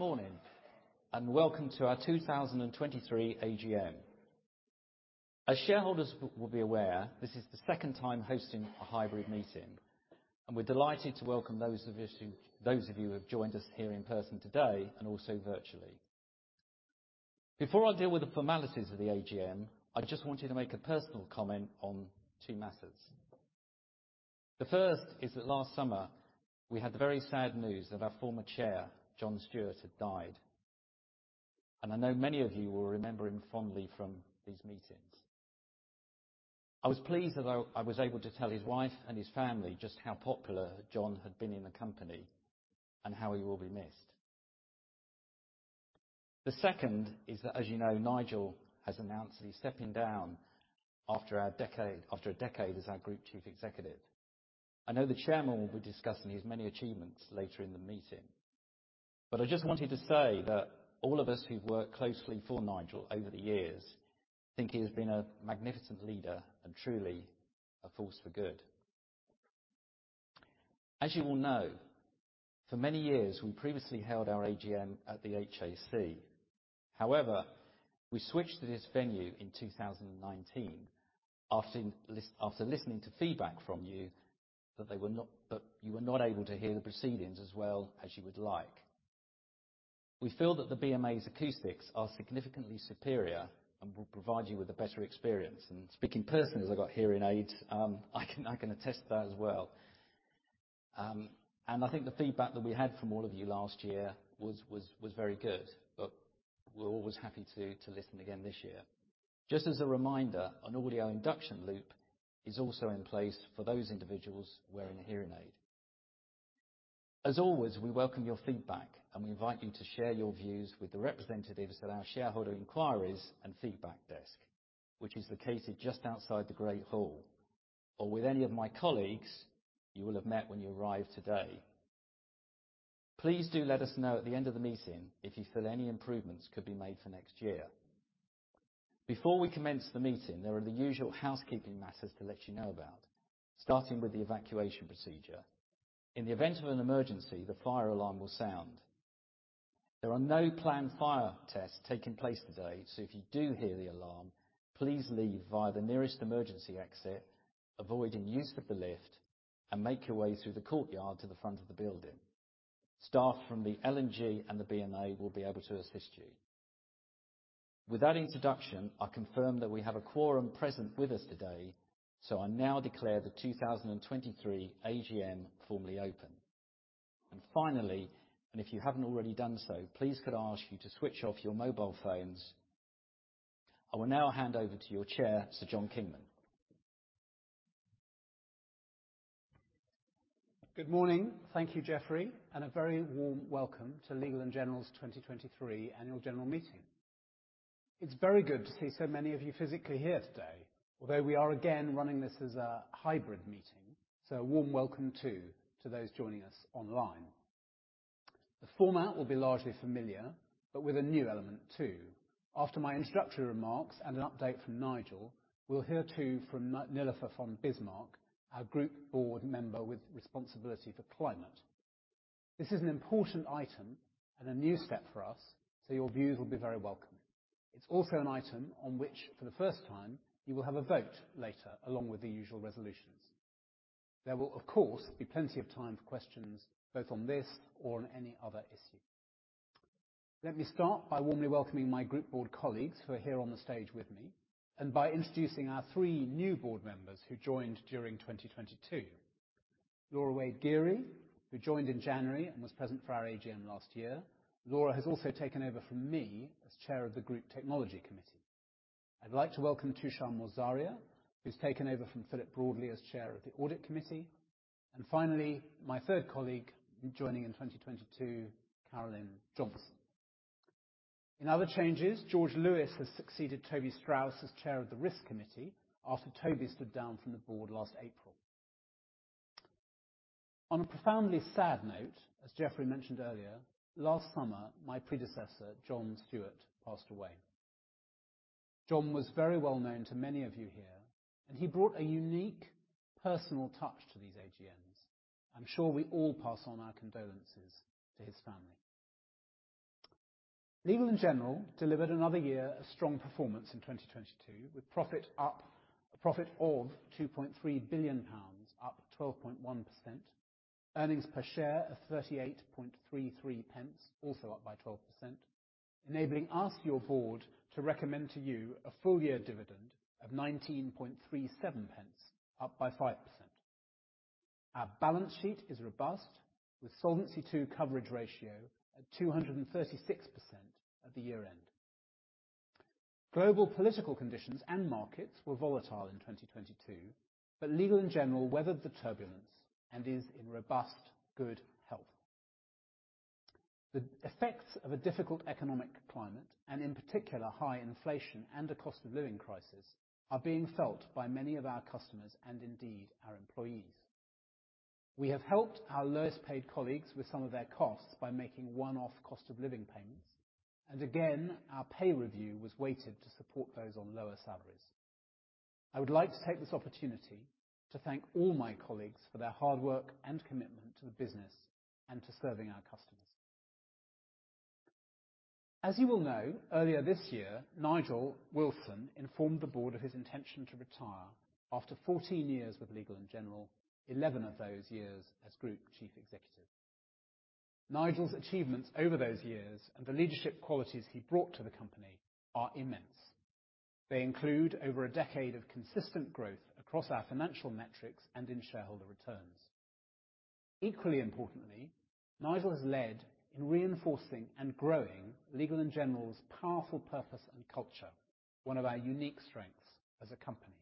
Good morning and welcome to our 2023 AGM. As shareholders will be aware, this is the second time hosting a hybrid meeting, and we're delighted to welcome those of you who have joined us here in person today and also virtually. Before I deal with the formalities of the AGM, I just wanted to make a personal comment on two matters. The first is that last summer we had the very sad news that our former chair, John Stewart, had died, and I know many of you will remember him fondly from these meetings. I was pleased that I was able to tell his wife and his family just how popular John had been in the company and how he will be missed. The second is that, as you know, Nigel has announced that he's stepping down after a decade as our Group Chief Executive. I know the chairman will be discussing his many achievements later in the meeting, but I just wanted to say that all of us who've worked closely for Nigel over the years think he has been a magnificent leader and truly a force for good. As you all know, for many years we previously held our AGM at the HAC. However, we switched to this venue in 2019 after listening to feedback from you that you were not able to hear the proceedings as well as you would like. We feel that the BMA's acoustics are significantly superior and will provide you with a better experience. Speaking personally, as I've got hearing aids, I can attest to that as well. I think the feedback that we had from all of you last year was very good, but we're always happy to listen again this year. Just as a reminder, an audio induction loop is also in place for those individuals wearing a hearing aid. As always, we welcome your feedback, and we invite you to share your views with the representatives at our shareholder inquiries and feedback desk, which is located just outside the Great Hall, or with any of my colleagues you will have met when you arrive today. Please do let us know at the end of the meeting if you feel any improvements could be made for next year. Before we commence the meeting, there are the usual housekeeping matters to let you know about, starting with the evacuation procedure. In the event of an emergency, the fire alarm will sound. There are no planned fire tests taking place today, so if you do hear the alarm, please leave via the nearest emergency exit, avoid any use of the lift, and make your way through the courtyard to the front of the building. Staff from L&G and the BMA will be able to assist you. With that introduction, I confirm that we have a quorum present with us today, so I now declare the 2023 AGM formally open. Finally, if you haven't already done so, please could I ask you to switch off your mobile phones? I will now hand over to your Chair, Sir John Kingman. Good morning. Thank you, Jeffrey, and a very warm welcome to Legal & General's 2023 Annual General Meeting. It's very good to see so many of you physically here today, although we are again running this as a hybrid meeting. A warm welcome to those joining us online. The format will be largely familiar, but with a new element too. After my introductory remarks and an update from Nigel, we'll hear too from Nilufer von Bismarck, our Group Board member with responsibility for climate. This is an important item and a new step for us, so your views will be very welcome. It's also an item on which, for the first time, you will have a vote later along with the usual resolutions. There will, of course, be plenty of time for questions both on this or on any other issue. Let me start by warmly welcoming my Group Board colleagues who are here on the stage with me, and by introducing our three new board members who joined during 2022. Laura Wade-Gery, who joined in January and was present for our AGM last year. Laura has also taken over from me as Chair of the Group Technology Committee. I would like to welcome Tushar Morzaria, who has taken over from Philip Broadley as Chair of the Audit Committee. Finally, my third colleague joining in 2022, Carolyn Johnson. In other changes, George Lewis has succeeded Toby Strauss as Chair of the Risk Committee after Toby stood down from the board last April. On a profoundly sad note, as Jeffrey mentioned earlier, last summer my predecessor, John Stewart, passed away. John was very well known to many of you here, and he brought a unique personal touch to these AGMs. I'm sure we all pass on our condolences to his family. Legal & General delivered another year of strong performance in 2022, with profit of 2.3 billion pounds, up 12.1%, earnings per share of 38.33, also up by 12%, enabling us, your board, to recommend to you a full year dividend of 19.37, up by 5%. Our balance sheet is robust, with Solvency II coverage ratio at 236% at the year-end. Global political conditions and markets were volatile in 2022, but Legal & General weathered the turbulence and is in robust good health. The effects of a difficult economic climate, and in particular high inflation and a cost of living crisis, are being felt by many of our customers and indeed our employees. We have helped our lowest paid colleagues with some of their costs by making one-off cost of living payments, and again, our pay review was weighted to support those on lower salaries. I would like to take this opportunity to thank all my colleagues for their hard work and commitment to the business and to serving our customers. As you will know, earlier this year, Nigel Wilson informed the board of his intention to retire after 14 years with Legal & General, 11 of those years as Group Chief Executive. Nigel's achievements over those years and the leadership qualities he brought to the company are immense. They include over a decade of consistent growth across our financial metrics and in shareholder returns. Equally importantly, Nigel has led in reinforcing and growing Legal & General's powerful purpose and culture, one of our unique strengths as a company.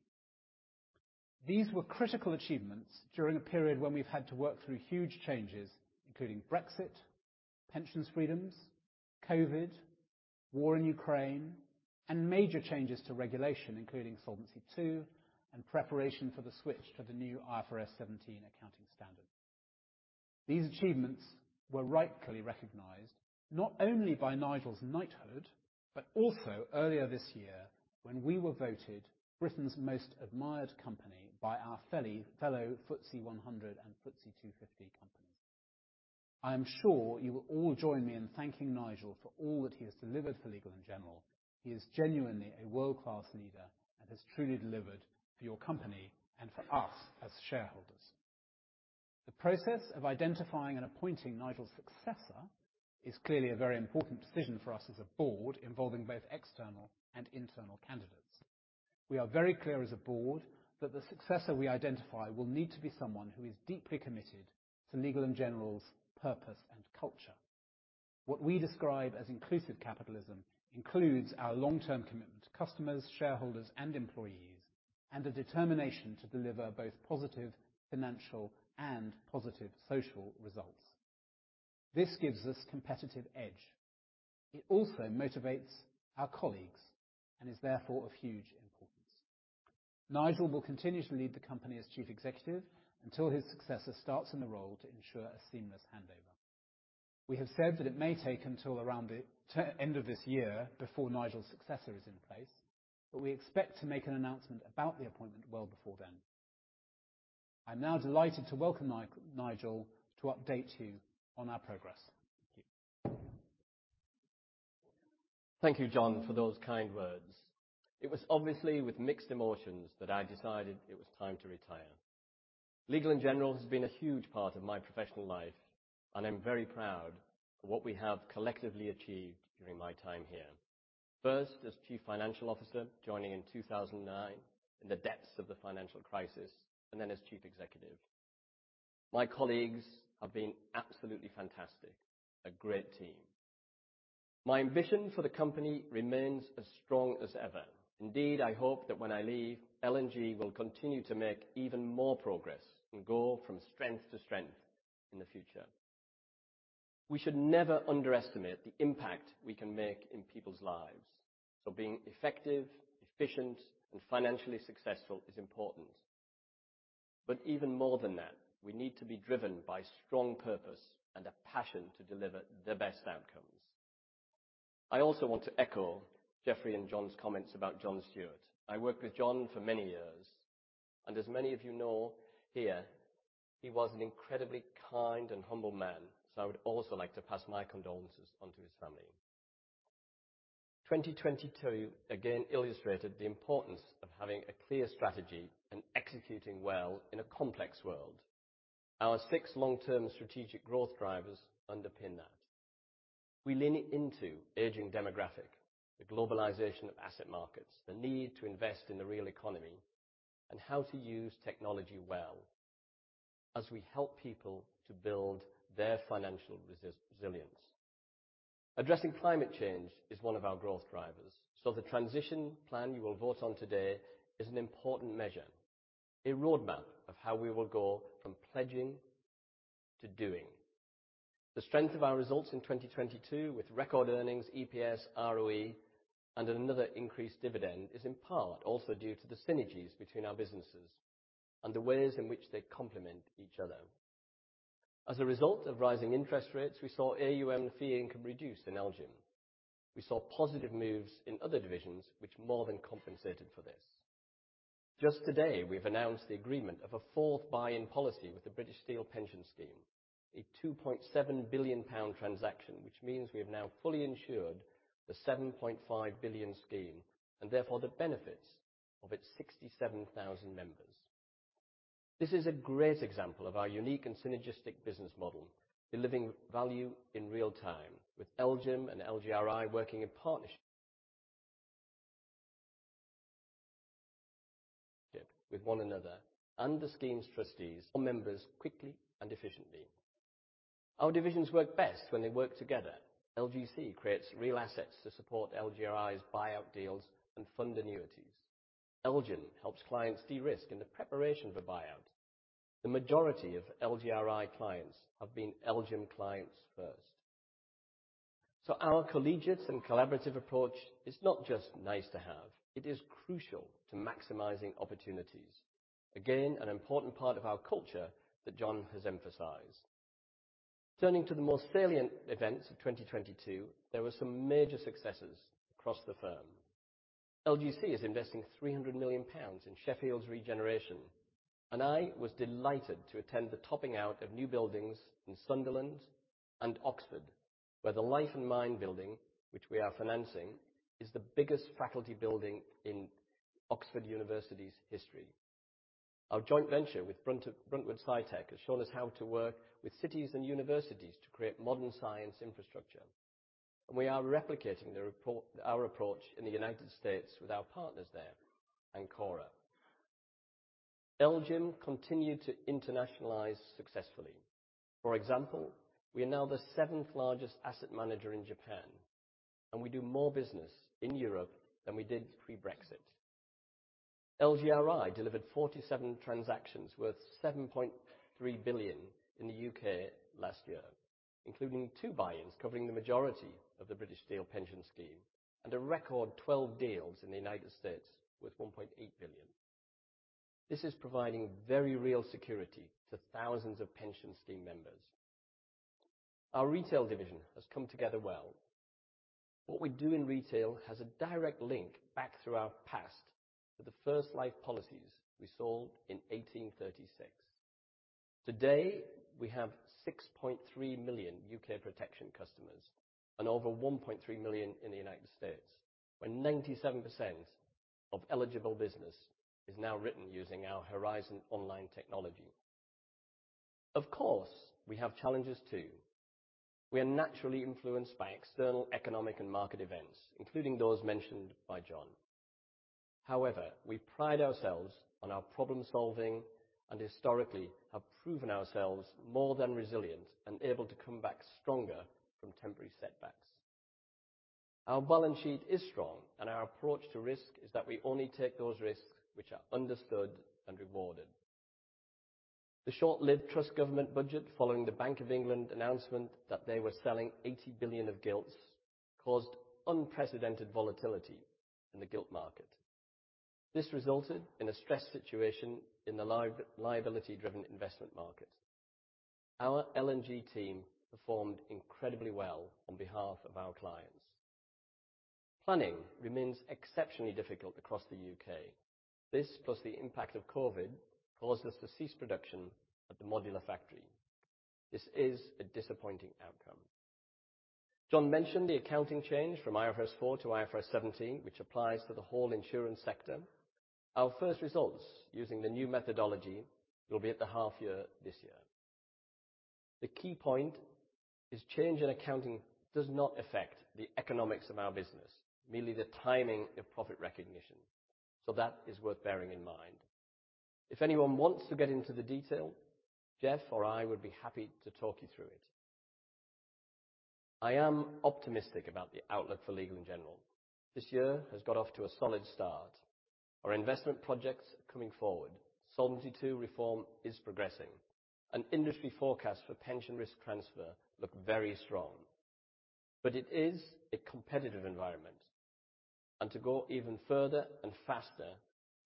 These were critical achievements during a period when we've had to work through huge changes, including Brexit, pensions freedoms, COVID, war in Ukraine, and major changes to regulation, including Solvency II and preparation for the switch to the new IFRS 17 accounting standard. These achievements were rightfully recognized not only by Nigel's knighthood, but also earlier this year when we were voted Britain's most admired company by our fellow FTSE 100 and FTSE 250 companies. I am sure you will all join me in thanking Nigel for all that he has delivered for Legal & General. He is genuinely a world-class leader and has truly delivered for your company and for us as shareholders. The process of identifying and appointing Nigel's successor is clearly a very important decision for us as a board involving both external and internal candidates. We are very clear as a board that the successor we identify will need to be someone who is deeply committed to Legal & General's purpose and culture. What we describe as inclusive capitalism includes our long-term commitment to customers, shareholders, and employees, and a determination to deliver both positive financial and positive social results. This gives us competitive edge. It also motivates our colleagues and is therefore of huge importance. Nigel will continue to lead the company as Chief Executive until his successor starts in the role to ensure a seamless handover. We have said that it may take until around the end of this year before Nigel's successor is in place, but we expect to make an announcement about the appointment well before then. I'm now delighted to welcome Nigel to update you on our progress. Thank you. Thank you, John, for those kind words. It was obviously with mixed emotions that I decided it was time to retire. Legal & General has been a huge part of my professional life, and I'm very proud of what we have collectively achieved during my time here. First as Chief Financial Officer, joining in 2009 in the depths of the financial crisis, and then as Chief Executive. My colleagues have been absolutely fantastic, a great team. My ambition for the company remains as strong as ever. Indeed, I hope that when I leave, L&G will continue to make even more progress and go from strength to strength in the future. We should never underestimate the impact we can make in people's lives. Being effective, efficient, and financially successful is important. Even more than that, we need to be driven by strong purpose and a passion to deliver the best outcomes. I also want to echo Jeffrey and John's comments about John Stewart. I worked with John for many years, and as many of you know here, he was an incredibly kind and humble man, so I would also like to pass my condolences on to his family. 2022 again illustrated the importance of having a clear strategy and executing well in a complex world. Our six long-term strategic growth drivers underpin that. We lean into aging demographics, the globalization of asset markets, the need to invest in the real economy, and how to use technology well as we help people to build their financial resilience. Addressing climate change is one of our growth drivers, so the transition plan you will vote on today is an important measure, a roadmap of how we will go from pledging to doing. The strength of our results in 2022, with record earnings, EPS, ROE, and another increased dividend, is in part also due to the synergies between our businesses and the ways in which they complement each other. As a result of rising interest rates, we saw AUM and fee income reduced in LGIM. We saw positive moves in other divisions, which more than compensated for this. Just today, we've announced the agreement of a fourth buy-in policy with the British Steel Pension Scheme, a 2.7 billion pound transaction, which means we have now fully insured the 7.5 billion scheme and therefore the benefits of its 67,000 members. This is a great example of our unique and synergistic business model, delivering value in real time, with LGIM and LGRI working in partnership with one another and the scheme's trustees. Members quickly and efficiently. Our divisions work best when they work together. LGC creates real assets to support LGRI's buyout deals and fund annuities. LGIM helps clients de-risk in the preparation for buyout. The majority of LGRI clients have been LGIM clients first. Our collegiate and collaborative approach is not just nice to have; it is crucial to maximizing opportunities. Again, an important part of our culture that John has emphasized. Turning to the more salient events of 2022, there were some major successes across the firm. LGC is investing 300 million pounds in Sheffield's regeneration, and I was delighted to attend the topping out of new buildings in Sunderland and Oxford, where the Life and Mind Building, which we are financing, is the biggest faculty building in Oxford University's history. Our joint venture with Bruntwood SciTech has shown us how to work with cities and universities to create modern science infrastructure. We are replicating our approach in the U.S. with our partners there, Ancora. LGIM continued to internationalize successfully. For example, we are now the seventh largest asset manager in Japan, and we do more business in Europe than we did pre-Brexit. LGRI delivered 47 transactions worth 7.3 billion in the U.K. last year, including two buy-ins covering the majority of the British Steel Pension Scheme and a record 12 deals in the U.S. worth $1.8 billion. This is providing very real security to thousands of pension scheme members. Our retail division has come together well. What we do in retail has a direct link back through our past to the first life policies we sold in 1836. Today, we have 6.3 million U.K. protection customers and over 1.3 million in the United States, where 97% of eligible business is now written using our Horizon online technology. Of course, we have challenges too. We are naturally influenced by external economic and market events, including those mentioned by John. However, we pride ourselves on our problem-solving and historically have proven ourselves more than resilient and able to come back stronger from temporary setbacks. Our balance sheet is strong, and our approach to risk is that we only take those risks which are understood and rewarded. The short-lived Truss government budget following the Bank of England announcement that they were selling 80 billion of gilts caused unprecedented volatility in the gilt market. This resulted in a stress situation in the liability-driven investment market. Our LGIM team performed incredibly well on behalf of our clients. Planning remains exceptionally difficult across the U.K. This, plus the impact of COVID, caused us to cease production at the modular factory. This is a disappointing outcome. John mentioned the accounting change from IFRS 4 to IFRS 17, which applies to the whole insurance sector. Our first results using the new methodology will be at the half year this year. The key point is change in accounting does not affect the economics of our business, merely the timing of profit recognition. That is worth bearing in mind. If anyone wants to get into the detail, Jeff or I would be happy to talk you through it. I am optimistic about the outlook for Legal & General. This year has got off to a solid start. Our investment projects are coming forward. Solvency II reform is progressing. An industry forecast for pension risk transfer looked very strong. It is a competitive environment. To go even further and faster,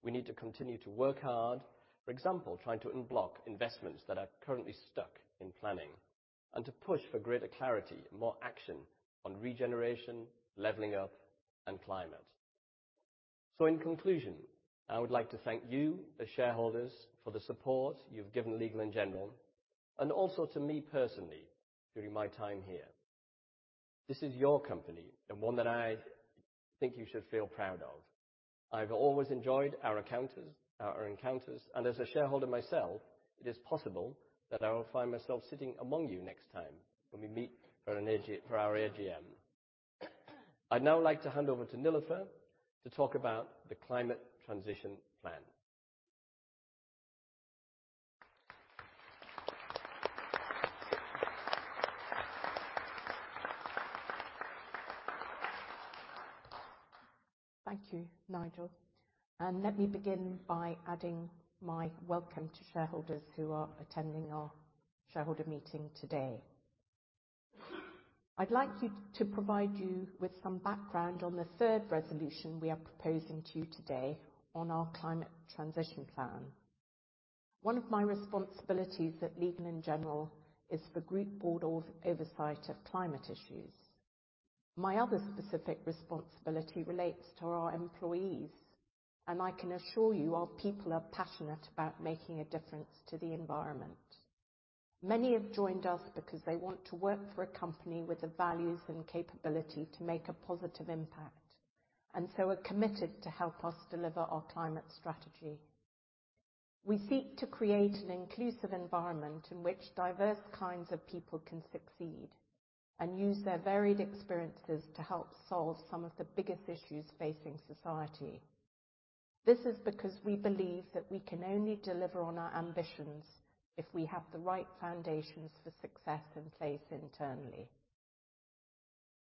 we need to continue to work hard, for example, trying to unblock investments that are currently stuck in planning, and to push for greater clarity and more action on regeneration, leveling up, and climate. In conclusion, I would like to thank you, the shareholders, for the support you've given Legal & General, and also to me personally during my time here. This is your company and one that I think you should feel proud of. I've always enjoyed our encounters, and as a shareholder myself, it is possible that I will find myself sitting among you next time when we meet for our AGM. I'd now like to hand over to Nilufer to talk about the climate transition plan. Thank you, Nigel. Let me begin by adding my welcome to shareholders who are attending our shareholder meeting today. I'd like to provide you with some background on the third resolution we are proposing to you today on our climate transition plan. One of my responsibilities at Legal & General is for group board oversight of climate issues. My other specific responsibility relates to our employees, and I can assure you our people are passionate about making a difference to the environment. Many have joined us because they want to work for a company with the values and capability to make a positive impact, and so are committed to help us deliver our climate strategy. We seek to create an inclusive environment in which diverse kinds of people can succeed and use their varied experiences to help solve some of the biggest issues facing society. This is because we believe that we can only deliver on our ambitions if we have the right foundations for success in place internally.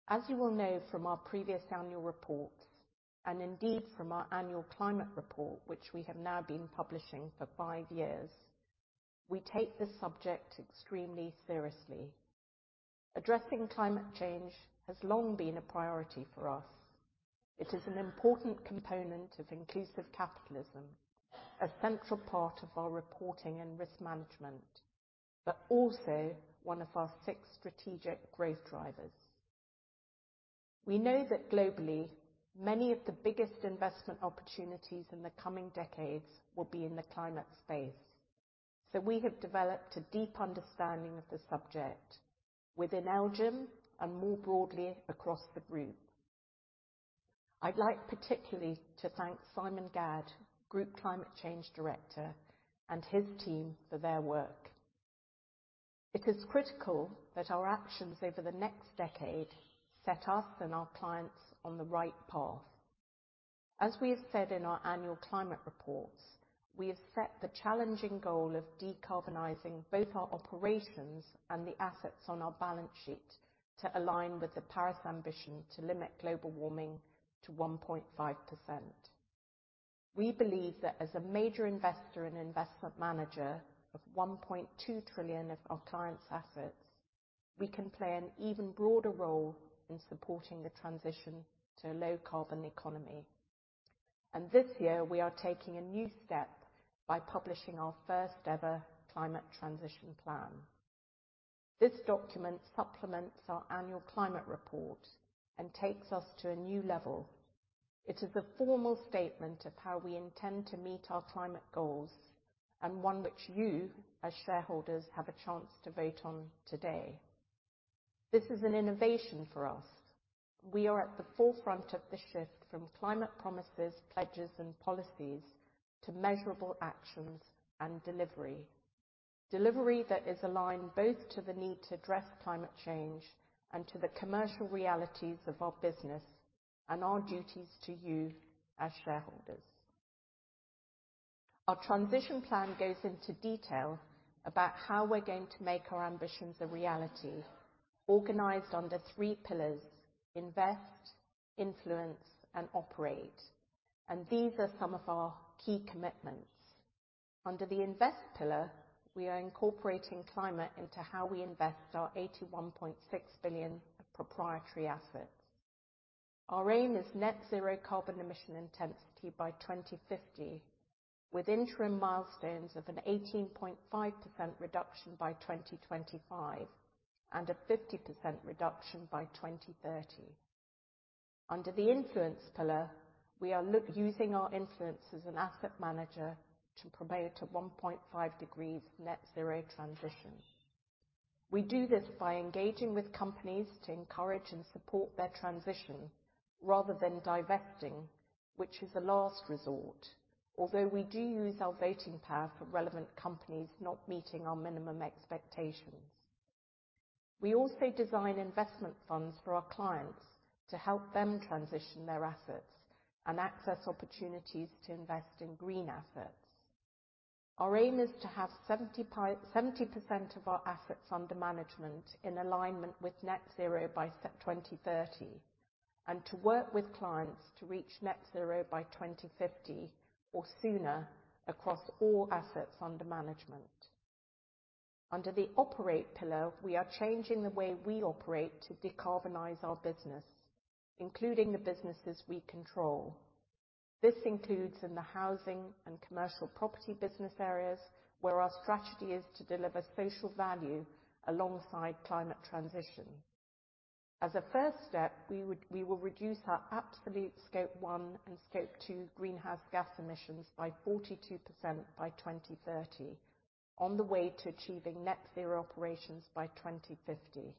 As you will know from our previous annual reports, and indeed from our annual climate report, which we have now been publishing for five years, we take this subject extremely seriously. Addressing climate change has long been a priority for us. It is an important component of inclusive capitalism, a central part of our reporting and risk management, but also one of our six strategic growth drivers. We know that globally, many of the biggest investment opportunities in the coming decades will be in the climate space. We have developed a deep understanding of the subject within LGIM and more broadly across the group. I'd like particularly to thank Simon Gadd, Group Climate Change Director, and his team for their work. It is critical that our actions over the next decade set us and our clients on the right path. As we have said in our annual climate reports, we have set the challenging goal of decarbonizing both our operations and the assets on our balance sheet to align with the Paris ambition to limit global warming to 1.5%. We believe that as a major investor and investment manager of 1.2 trillion of our clients' assets, we can play an even broader role in supporting the transition to a low-carbon economy. This year, we are taking a new step by publishing our first-ever climate transition plan. This document supplements our annual climate report and takes us to a new level. It is a formal statement of how we intend to meet our climate goals and one which you, as shareholders, have a chance to vote on today. This is an innovation for us. We are at the forefront of the shift from climate promises, pledges, and policies to measurable actions and delivery. Delivery that is aligned both to the need to address climate change and to the commercial realities of our business and our duties to you as shareholders. Our transition plan goes into detail about how we're going to make our ambitions a reality, organized under three pillars: invest, influence, and operate. These are some of our key commitments. Under the invest pillar, we are incorporating climate into how we invest our 81.6 billion of proprietary assets. Our aim is net zero carbon emission intensity by 2050, with interim milestones of an 18.5% reduction by 2025 and a 50% reduction by 2030. Under the influence pillar, we are using our influence as an asset manager to promote a 1.5 degrees net zero transition. We do this by engaging with companies to encourage and support their transition rather than divesting, which is a last resort, although we do use our voting power for relevant companies not meeting our minimum expectations. We also design investment funds for our clients to help them transition their assets and access opportunities to invest in green assets. Our aim is to have 70% of our assets under management in alignment with net zero by 2030 and to work with clients to reach net zero by 2050 or sooner across all assets under management. Under the operate pillar, we are changing the way we operate to decarbonize our business, including the businesses we control. This includes in the housing and commercial property business areas, where our strategy is to deliver social value alongside climate transition. As a first step, we will reduce our absolute Scope 1 and Scope 2 greenhouse gas emissions by 42% by 2030 on the way to achieving net zero operations by 2050.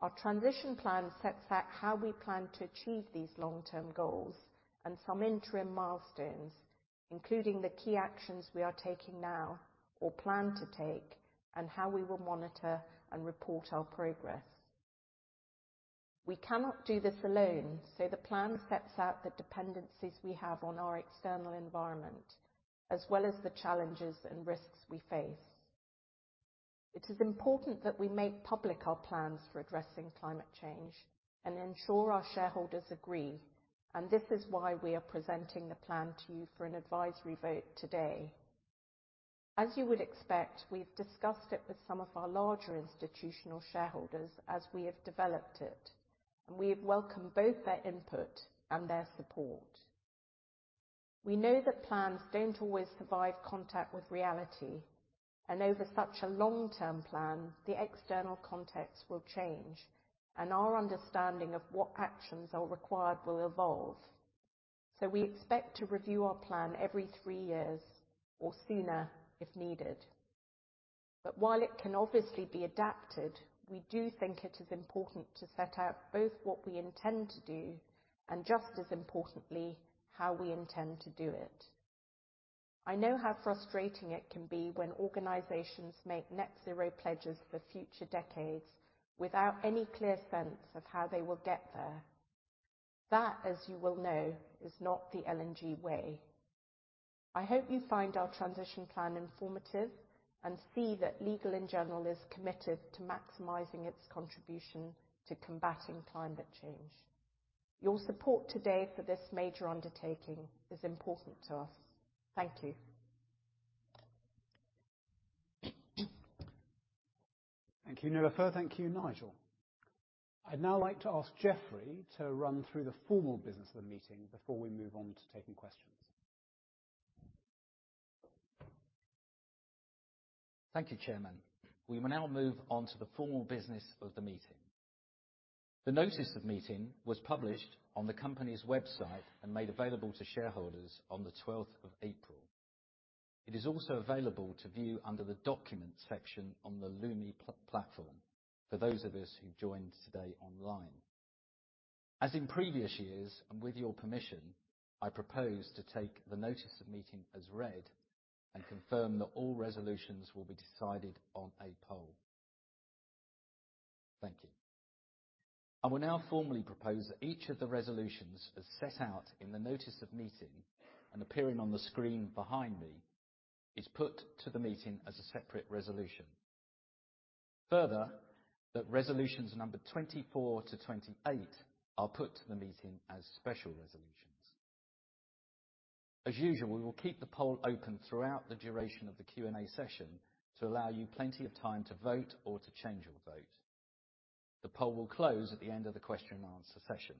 Our transition plan sets out how we plan to achieve these long-term goals and some interim milestones, including the key actions we are taking now or plan to take and how we will monitor and report our progress. We cannot do this alone, so the plan sets out the dependencies we have on our external environment, as well as the challenges and risks we face. It is important that we make public our plans for addressing climate change and ensure our shareholders agree, and this is why we are presenting the plan to you for an advisory vote today. As you would expect, we've discussed it with some of our larger institutional shareholders as we have developed it, and we have welcomed both their input and their support. We know that plans do not always survive contact with reality, and over such a long-term plan, the external context will change and our understanding of what actions are required will evolve. We expect to review our plan every three years or sooner if needed. While it can obviously be adapted, we do think it is important to set out both what we intend to do and, just as importantly, how we intend to do it. I know how frustrating it can be when organizations make net zero pledges for future decades without any clear sense of how they will get there. That, as you will know, is not the L&G way. I hope you find our transition plan informative and see that Legal & General is committed to maximizing its contribution to combating climate change. Your support today for this major undertaking is important to us. Thank you. Thank you, Nilufer. Thank you, Nigel. I'd now like to ask Jeffrey to run through the formal business of the meeting before we move on to taking questions. Thank you, Chairman. We will now move on to the formal business of the meeting. The notice of meeting was published on the company's website and made available to shareholders on the 12th of April. It is also available to view under the document section on the Lumi platform for those of us who joined today online. As in previous years, and with your permission, I propose to take the notice of meeting as read and confirm that all resolutions will be decided on a poll. Thank you. I will now formally propose that each of the resolutions, as set out in the notice of meeting and appearing on the screen behind me, is put to the meeting as a separate resolution. Further, that resolutions number 24 to 28 are put to the meeting as special resolutions. As usual, we will keep the poll open throughout the duration of the Q&A session to allow you plenty of time to vote or to change your vote. The poll will close at the end of the question and answer session.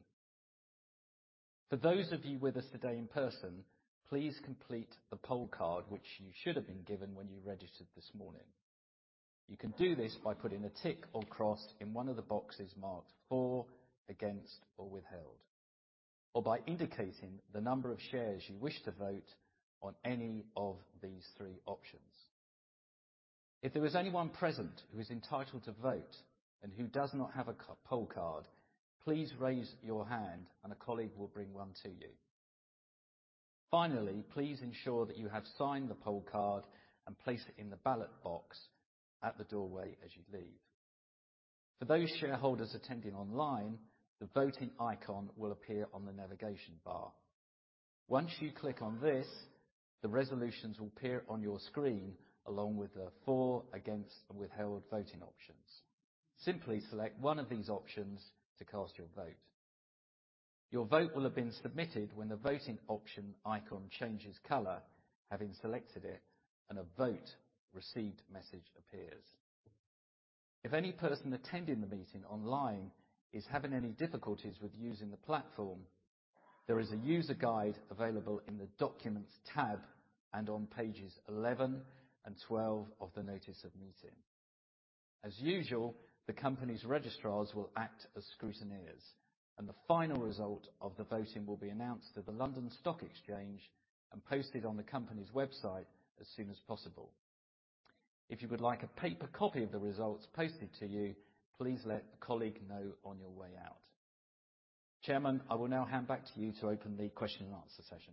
For those of you with us today in person, please complete the poll card, which you should have been given when you registered this morning. You can do this by putting a tick or cross in one of the boxes marked for, against, or withheld, or by indicating the number of shares you wish to vote on any of these three options. If there is anyone present who is entitled to vote and who does not have a poll card, please raise your hand, and a colleague will bring one to you. Finally, please ensure that you have signed the poll card and place it in the ballot box at the doorway as you leave. For those shareholders attending online, the voting icon will appear on the navigation bar. Once you click on this, the resolutions will appear on your screen along with the for, against, and withheld voting options. Simply select one of these options to cast your vote. Your vote will have been submitted when the voting option icon changes color, having selected it, and a vote received message appears. If any person attending the meeting online is having any difficulties with using the platform, there is a user guide available in the documents tab and on pages 11 and 12 of the notice of meeting. As usual, the company's registrars will act as scrutineers, and the final result of the voting will be announced at the London Stock Exchange and posted on the company's website as soon as possible. If you would like a paper copy of the results posted to you, please let a colleague know on your way out. Chairman, I will now hand back to you to open the question and answer session.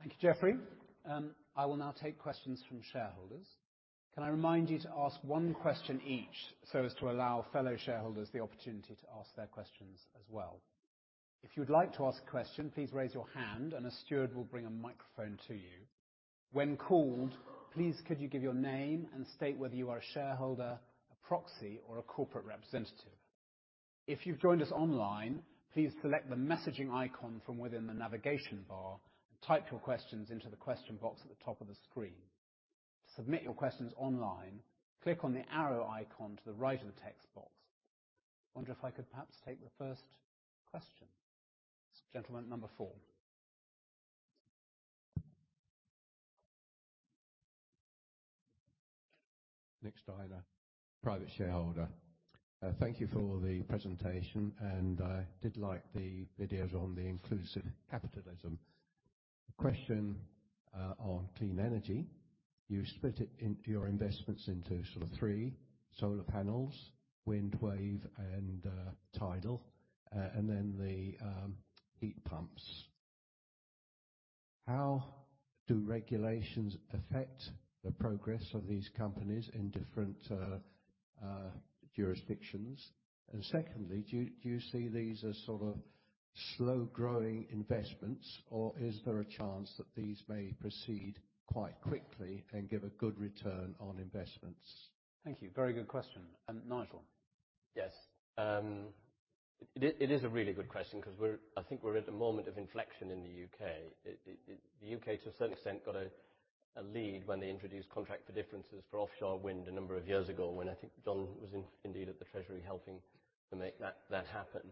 Thank you, Jeffrey. I will now take questions from shareholders. Can I remind you to ask one question each so as to allow fellow shareholders the opportunity to ask their questions as well? If you would like to ask a question, please raise your hand, and a steward will bring a microphone to you. When called, please could you give your name and state whether you are a shareholder, a proxy, or a corporate representative? If you've joined us online, please select the messaging icon from within the navigation bar and type your questions into the question box at the top of the screen. To submit your questions online, click on the arrow icon to the right of the text box. I wonder if I could perhaps take the first question. Gentleman number four. Thank you for the presentation, and I did like the videos on the inclusive capitalism. Question on clean energy. You split your investments into sort of three: solar panels, wind wave, and tidal, and then the heat pumps. How do regulations affect the progress of these companies in different jurisdictions? Secondly, do you see these as sort of slow-growing investments, or is there a chance that these may proceed quite quickly and give a good return on investments? Thank you. Very good question. Nigel. Yes. It is a really good question because I think we're at a moment of inflection in the U.K. The U.K., to a certain extent, got a lead when they introduced contract for differences for offshore wind a number of years ago when I think John was indeed at the Treasury helping to make that happen.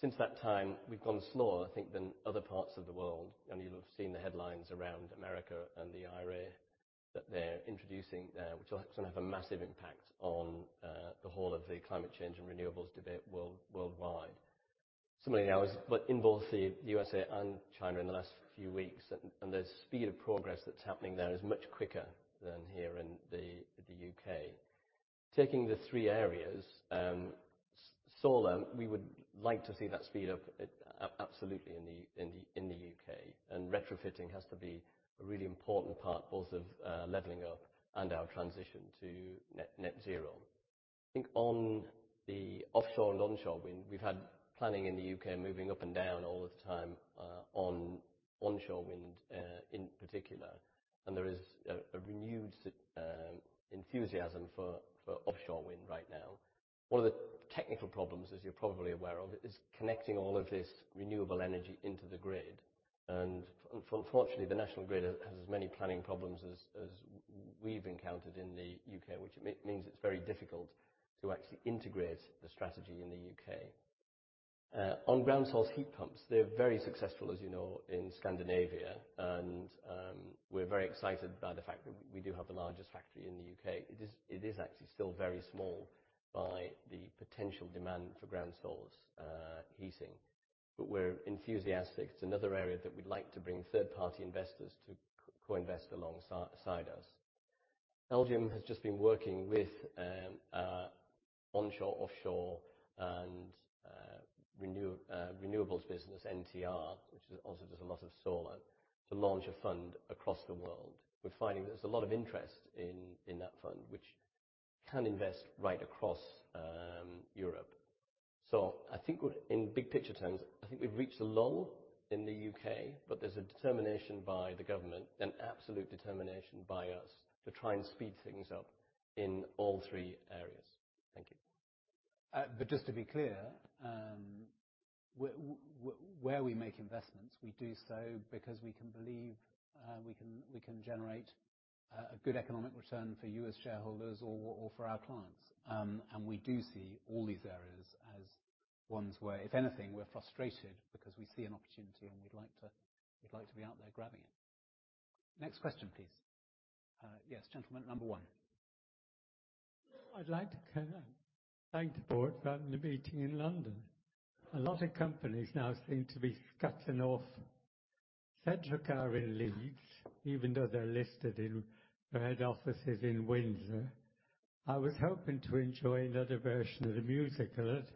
Since that time, we've gone slower, I think, than other parts of the world. You will have seen the headlines around America and the IRA that they're introducing there, which will sort of have a massive impact on the whole of the climate change and renewables debate worldwide. Similarly, I was in both the U.S.A. and China in the last few weeks, and the speed of progress that's happening there is much quicker than here in the U.K. Taking the three areas, solar, we would like to see that speed up absolutely in the U.K., and retrofitting has to be a really important part both of leveling up and our transition to net zero. I think on the offshore and onshore wind, we have had planning in the U.K. moving up and down all the time on onshore wind in particular, and there is a renewed enthusiasm for offshore wind right now. One of the technical problems, as you are probably aware of, is connecting all of this renewable energy into the grid. Unfortunately, the National Grid has as many planning problems as we have encountered in the U.K., which means it is very difficult to actually integrate the strategy in the U.K. On ground source heat pumps, they're very successful, as you know, in Scandinavia, and we're very excited by the fact that we do have the largest factory in the U.K. It is actually still very small by the potential demand for ground source heating, but we're enthusiastic. It's another area that we'd like to bring third-party investors to co-invest alongside us. LGIM has just been working with onshore, offshore, and renewables business, NTR, which also does a lot of solar, to launch a fund across the world. We're finding there's a lot of interest in that fund, which can invest right across Europe. I think in big picture terms, I think we've reached a lull in the U.K., but there's a determination by the government and absolute determination by us to try and speed things up in all three areas. Thank you. Just to be clear, where we make investments, we do so because we believe we can generate a good economic return for you as shareholders or for our clients. We do see all these areas as ones where, if anything, we're frustrated because we see an opportunity and we'd like to be out there grabbing it. Next question, please. Yes, gentleman number one. I'd like to thank the board for having the meeting in London. A lot of companies now seem to be scuttling off central car in Leeds, even though they're listed in their head offices in Windsor. I was hoping to enjoy another version of the musical at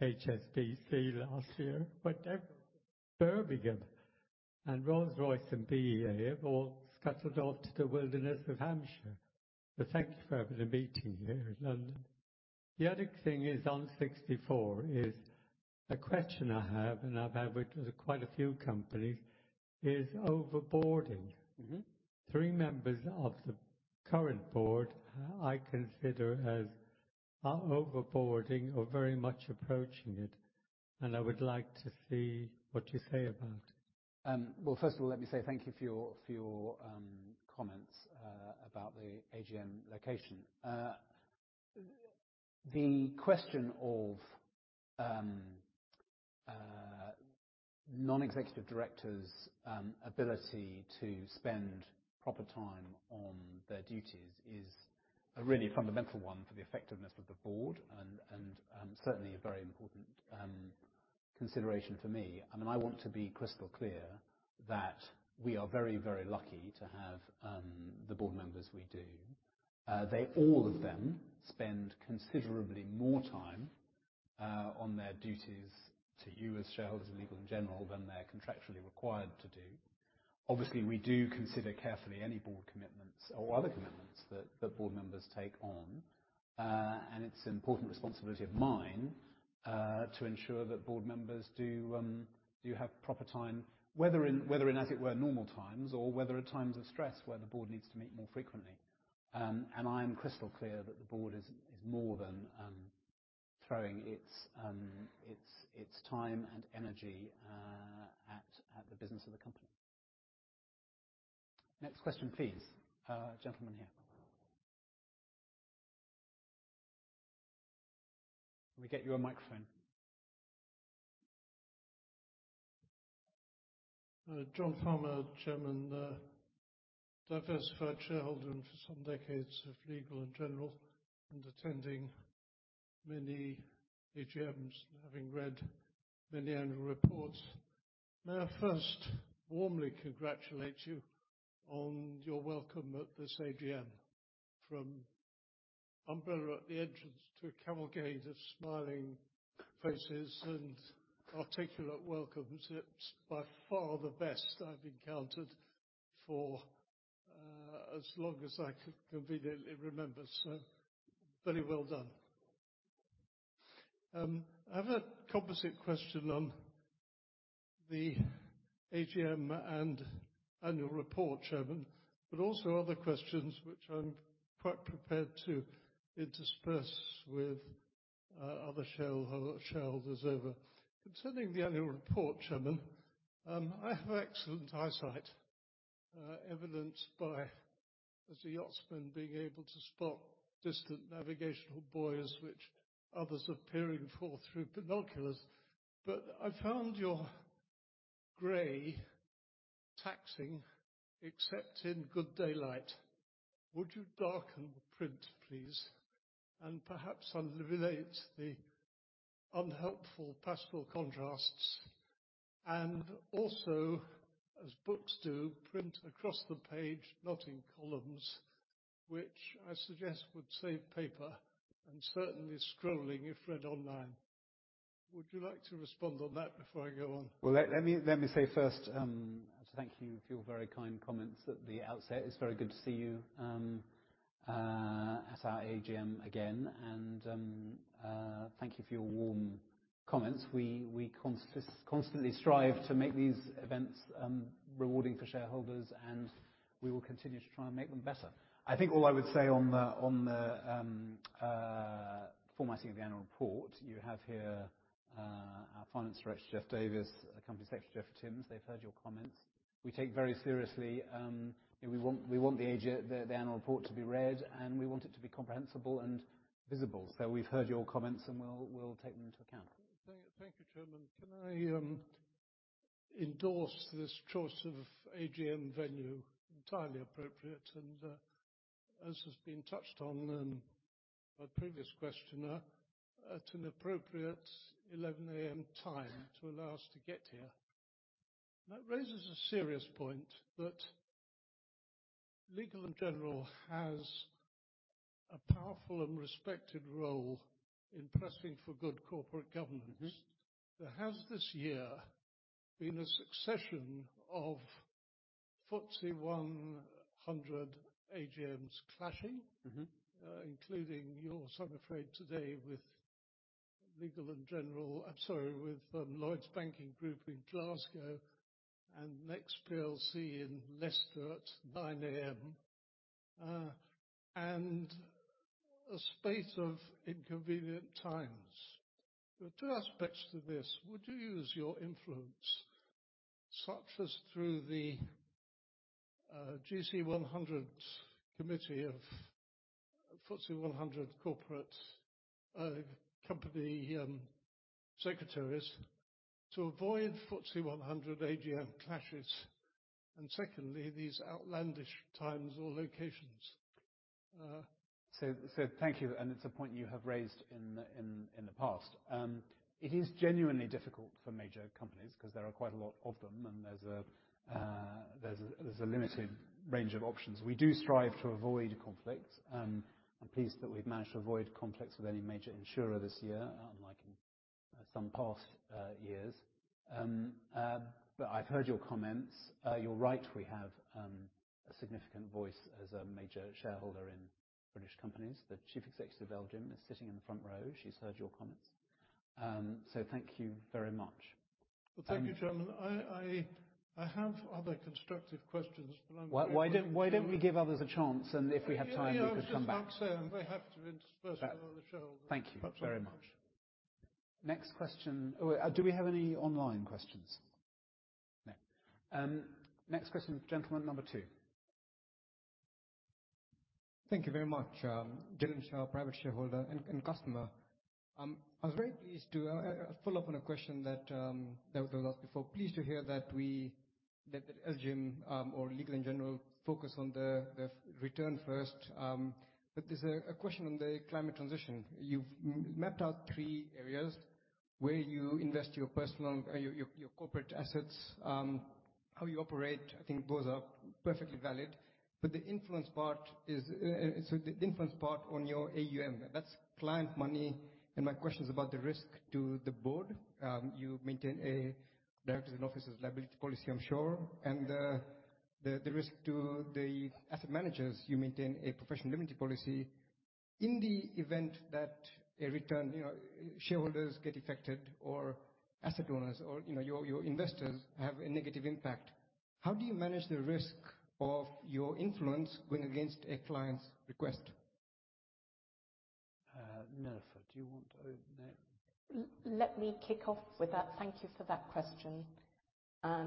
HSBC last year, but Birmingham and Rolls-Royce and BAE have all scuttled off to the wilderness of Hampshire. Thank you for having the meeting here in London. The other thing is on 64 is a question I have, and I've had with quite a few companies, is overboarding. Three members of the current board I consider as are overboarding or very much approaching it, and I would like to see what you say about it. First of all, let me say thank you for your comments about the AGM location. The question of non-executive directors' ability to spend proper time on their duties is a really fundamental one for the effectiveness of the board and certainly a very important consideration for me. I want to be crystal clear that we are very, very lucky to have the board members we do. All of them spend considerably more time on their duties to you as shareholders and Legal & General than they're contractually required to do. Obviously, we do consider carefully any board commitments or other commitments that board members take on, and it's an important responsibility of mine to ensure that board members do have proper time, whether in, as it were, normal times or whether at times of stress where the board needs to meet more frequently. I am crystal clear that the board is more than throwing its time and energy at the business of the company. Next question, please. Gentleman here. Can we get you a microphone? John Farmer, Chairman. Diversified shareholder for some decades of Legal & General and attending many AGMs and having read many annual reports. May I first warmly congratulate you on your welcome at this AGM, from umbrella at the edges to cavalcade of smiling faces and articulate welcomes. It's by far the best I've encountered for as long as I can conveniently remember, so very well done. I have a composite question on the AGM and annual report, Chairman, but also other questions which I'm quite prepared to intersperse with other shareholders over. Concerning the annual report, Chairman, I have excellent eyesight, evidenced by, as a yachtsman, being able to spot distant navigational buoys which others are peering for through binoculars, but I found your grey taxing except in good daylight. Would you darken the print, please, and perhaps eliminate the unhelpful pastel contrasts and also, as books do, print across the page, not in columns, which I suggest would save paper and certainly scrolling if read online. Would you like to respond on that before I go on? Thank you for your very kind comments at the outset. It's very good to see you at our AGM again, and thank you for your warm comments. We constantly strive to make these events rewarding for shareholders, and we will continue to try and make them better. I think all I would say on the formatting of the annual report, you have here our Finance Director, Jeff Davies, Company Secretary, Geoff Timms. They've heard your comments. We take very seriously. We want the annual report to be read, and we want it to be comprehensible and visible. We've heard your comments, and we'll take them into account. Thank you, Chairman. Can I endorse this choice of AGM venue? Entirely appropriate, and as has been touched on by previous questioner, at an appropriate 11:00 A.M. time to allow us to get here. That raises a serious point that Legal & General has a powerful and respected role in pressing for good corporate governance. There has this year been a succession of FTSE 100 AGMs clashing, including yours, I'm afraid, today with Legal & General, I'm sorry, with Lloyds Banking Group in Glasgow and NEXT plc in Leicester at 9:00 A.M., and a spate of inconvenient times. There are two aspects to this. Would you use your influence, such as through the GC100 committee of FTSE 100 corporate company secretaries, to avoid FTSE 100 AGM clashes? Secondly, these outlandish times or locations? Thank you, and it's a point you have raised in the past. It is genuinely difficult for major companies because there are quite a lot of them, and there's a limited range of options. We do strive to avoid conflict. I'm pleased that we've managed to avoid conflicts with any major insurer this year, unlike in some past years. I've heard your comments. You're right, we have a significant voice as a major shareholder in British companies. The Chief Executive of LGIM is sitting in the front row. She's heard your comments. Thank you very much. Thank you, Chairman. I have other constructive questions, but I'm going to. Why don't we give others a chance, and if we have time, we could come back? Thank you so much. I'm very happy to intersperse with other shareholders. Thank you very much. Next question. Do we have any online questions? No. Next question, gentleman number two. Thank you very much, Gillenshire, private shareholder and customer. I was very pleased to follow up on a question that was asked before. Pleased to hear that LGIM or Legal & General focus on the return first. There's a question on the climate transition. You've mapped out three areas where you invest your corporate assets. How you operate, I think both are perfectly valid. The influence part is, so the influence part on your AUM, that's client money, and my question is about the risk to the board. You maintain a directors and officers liability policy, I'm sure, and the risk to the asset managers. You maintain a professional limited policy. In the event that a return, shareholders get affected or asset owners or your investors have a negative impact, how do you manage the risk of your influence going against a client's request? Nilufer, do you want to open there? Let me kick off with that. Thank you for that question. I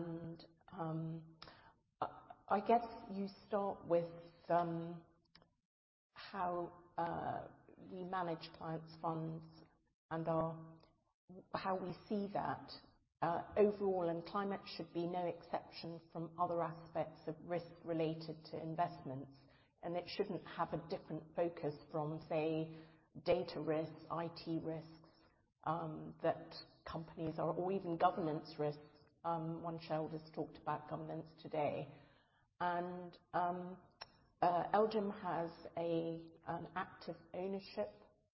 guess you start with how we manage clients' funds and how we see that overall, and climate should be no exception from other aspects of risk related to investments, and it shouldn't have a different focus from, say, data risks, IT risks that companies are, or even governance risks. One shareholder has talked about governance today. LGIM has an active ownership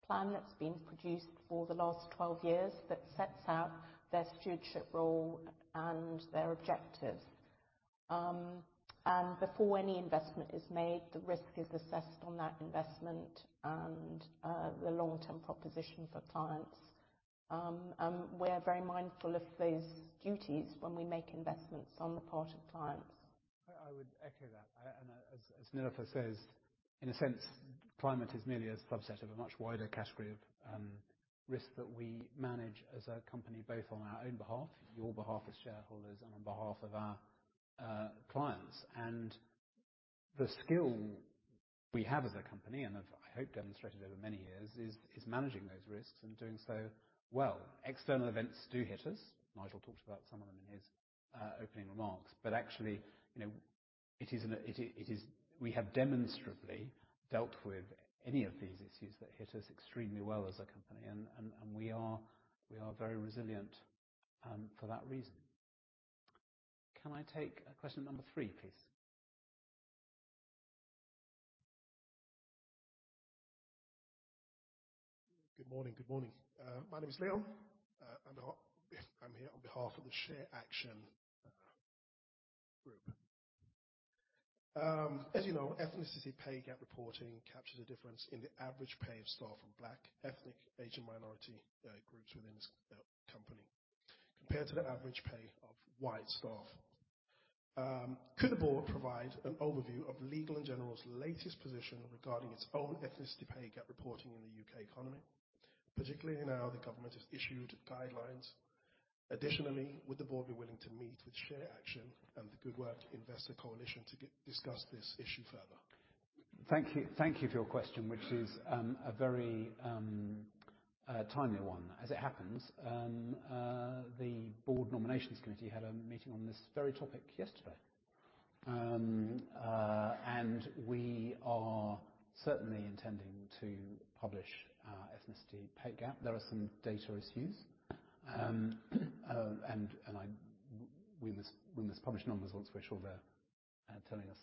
plan that's been produced for the last 12 years that sets out their stewardship role and their objectives. Before any investment is made, the risk is assessed on that investment and the long-term proposition for clients. We're very mindful of those duties when we make investments on the part of clients. I would echo that. As Nilufer says, in a sense, climate is merely a subset of a much wider category of risk that we manage as a company, both on our own behalf, your behalf as shareholders, and on behalf of our clients. The skill we have as a company, and I hope demonstrated over many years, is managing those risks and doing so well. External events do hit us. Nigel talked about some of them in his opening remarks. Actually, we have demonstrably dealt with any of these issues that hit us extremely well as a company, and we are very resilient for that reason. Can I take question number three, please? Good morning. Good morning. My name is Liam. I'm here on behalf of the ShareAction Group. As you know, ethnicity pay gap reporting captures a difference in the average pay of staff from Black, ethnic, Asian minority groups within this company compared to the average pay of White staff. Could the board provide an overview of Legal & General's latest position regarding its own ethnicity pay gap reporting in the U.K. economy, particularly now the government has issued guidelines? Additionally, would the board be willing to meet with ShareAction and the Good Work Investor Coalition to discuss this issue further? Thank you for your question, which is a very timely one. As it happens, the Board Nominations Committee had a meeting on this very topic yesterday, and we are certainly intending to publish our ethnicity pay gap. There are some data issues, and we must publish numbers once we're sure they're telling us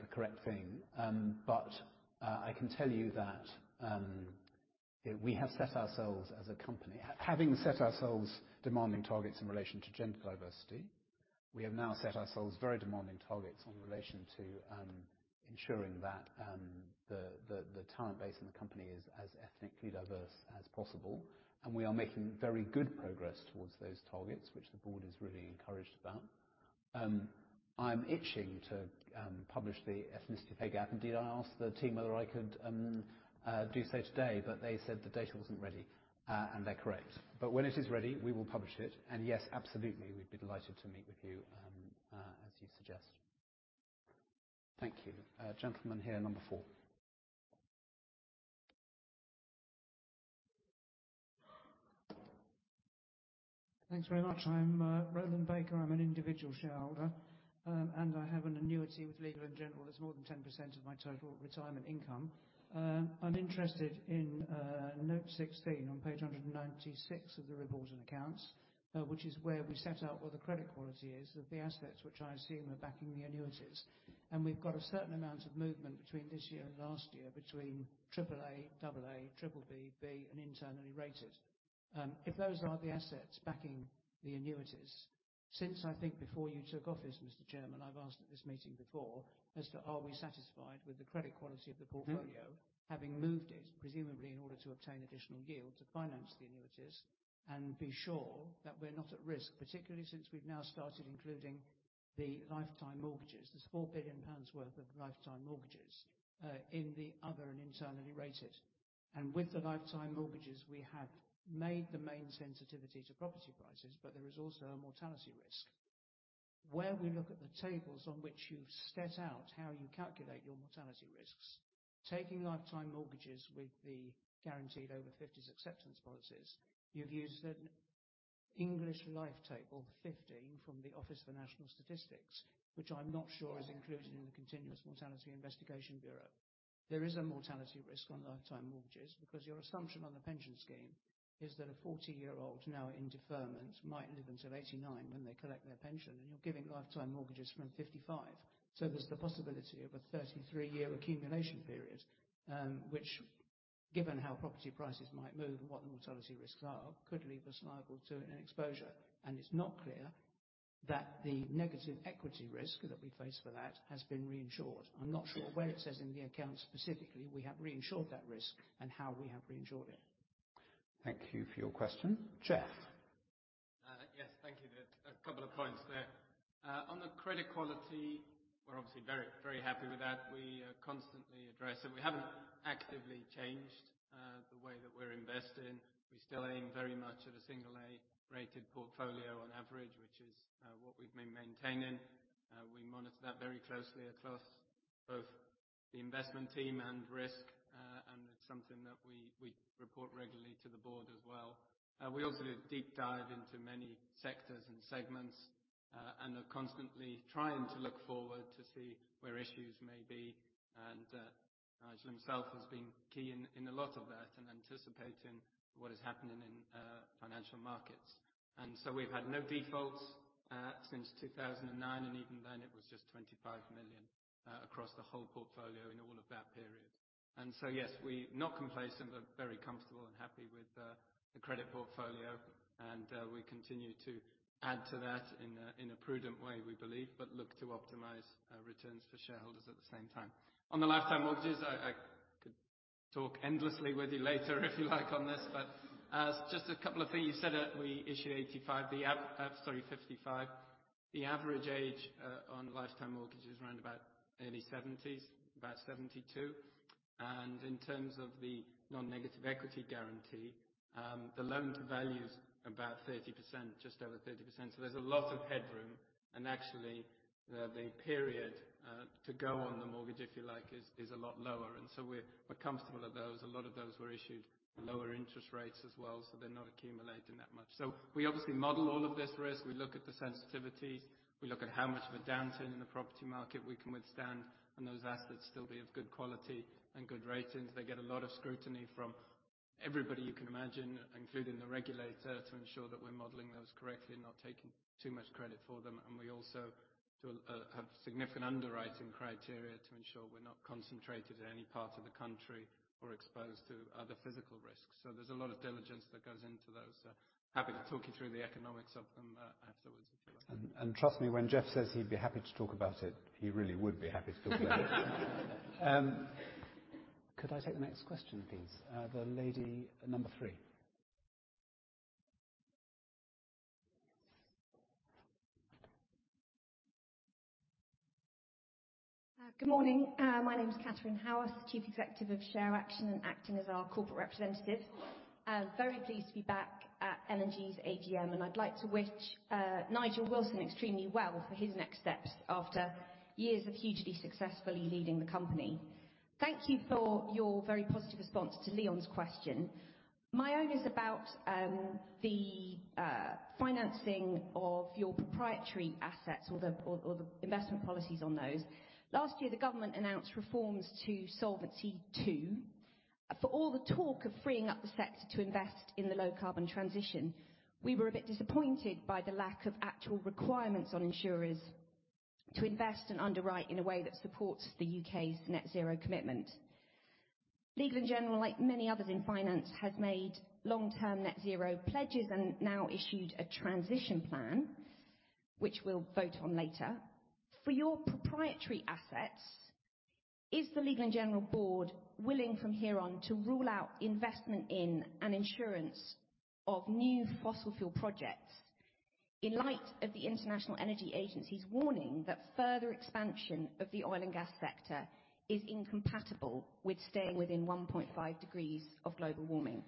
the correct thing. I can tell you that we have set ourselves as a company, having set ourselves demanding targets in relation to gender diversity, we have now set ourselves very demanding targets in relation to ensuring that the talent base in the company is as ethnically diverse as possible. We are making very good progress towards those targets, which the board is really encouraged about. I'm itching to publish the ethnicity pay gap, and indeed, I asked the team whether I could do so today, but they said the data was not ready, and they are correct. When it is ready, we will publish it. Yes, absolutely, we would be delighted to meet with you as you suggest. Thank you. Gentleman here, number four. Thanks very much. I'm Roland Baker. I'm an individual shareholder, and I have an annuity with Legal & General. It's more than 10% of my total retirement income. I'm interested in note 16 on page 196 of the report and accounts, which is where we set out what the credit quality is of the assets which I assume are backing the annuities. And we've got a certain amount of movement between this year and last year between AAA, AA, BBB, B, and internally rated. If those are the assets backing the annuities, since I think before you took office, Mr. Chairman, I've asked at this meeting before as to are we satisfied with the credit quality of the portfolio, having moved it presumably in order to obtain additional yield to finance the annuities and be sure that we're not at risk, particularly since we've now started including the lifetime mortgages, there's 4 billion pounds worth of lifetime mortgages in the other and internally rated. And with the lifetime mortgages, we have made the main sensitivity to property prices, but there is also a mortality risk. Where we look at the tables on which you've set out how you calculate your mortality risks, taking lifetime mortgages with the guaranteed over 50s acceptance policies, you've used an English Life Table No. 15 from the Office for National Statistics, which I'm not sure is included in the Continuous Mortality Investigation Bureau. There is a mortality risk on lifetime mortgages because your assumption on the pension scheme is that a 40-year-old now in deferment might live until 89 when they collect their pension, and you're giving lifetime mortgages from 55. There is the possibility of a 33-year accumulation period, which, given how property prices might move and what the mortality risks are, could leave us liable to an exposure. It is not clear that the negative equity risk that we face for that has been reinsured. I'm not sure where it says in the accounts specifically we have reinsured that risk and how we have reinsured it. Thank you for your question. Geoff. Yes. Thank you. A couple of points there. On the credit quality, we're obviously very happy with that. We constantly address it. We haven't actively changed the way that we're investing. We still aim very much at a single-A rated portfolio on average, which is what we've been maintaining. We monitor that very closely across both the investment team and risk, and it's something that we report regularly to the board as well. We also do a deep dive into many sectors and segments and are constantly trying to look forward to see where issues may be. Nigel himself has been key in a lot of that and anticipating what is happening in financial markets. We have had no defaults since 2009, and even then it was just 25 million across the whole portfolio in all of that period. Yes, we're not complacent, but very comfortable and happy with the credit portfolio, and we continue to add to that in a prudent way, we believe, but look to optimize returns for shareholders at the same time. On the lifetime mortgages, I could talk endlessly with you later if you like on this, but just a couple of things. You said we issue 85, sorry, 55. The average age on lifetime mortgages is around about early 70s, about 72. In terms of the non-negative equity guarantee, the loan to value is about 30%, just over 30%. There is a lot of headroom, and actually the period to go on the mortgage, if you like, is a lot lower. We're comfortable at those. A lot of those were issued at lower interest rates as well, so they're not accumulating that much. We obviously model all of this risk. We look at the sensitivities. We look at how much of a downturn in the property market we can withstand and those assets still be of good quality and good ratings. They get a lot of scrutiny from everybody you can imagine, including the regulator, to ensure that we're modeling those correctly and not taking too much credit for them. We also have significant underwriting criteria to ensure we're not concentrated in any part of the country or exposed to other physical risks. There is a lot of diligence that goes into those. Happy to talk you through the economics of them afterwards if you like. Trust me, when Geoff says he'd be happy to talk about it, he really would be happy to talk about it. Could I take the next question, please? The lady number three. Good morning. My name is Catherine Howarth, Chief Executive of ShareAction and acting as our corporate representative. Very pleased to be back at L&G's AGM, and I'd like to wish Nigel Wilson extremely well for his next steps after years of hugely successfully leading the company. Thank you for your very positive response to Liam's question. My own is about the financing of your proprietary assets or the investment policies on those. Last year, the government announced reforms to Solvency II for all the talk of freeing up the sector to invest in the low carbon transition. We were a bit disappointed by the lack of actual requirements on insurers to invest and underwrite in a way that supports the U.K.'s net zero commitment. Legal & General, like many others in finance, has made long-term net zero pledges and now issued a transition plan, which we'll vote on later. For your proprietary assets, is the Legal & General board willing from here on to rule out investment in and insurance of new fossil fuel projects in light of the International Energy Agency's warning that further expansion of the oil and gas sector is incompatible with staying within 1.5 degrees of global warming?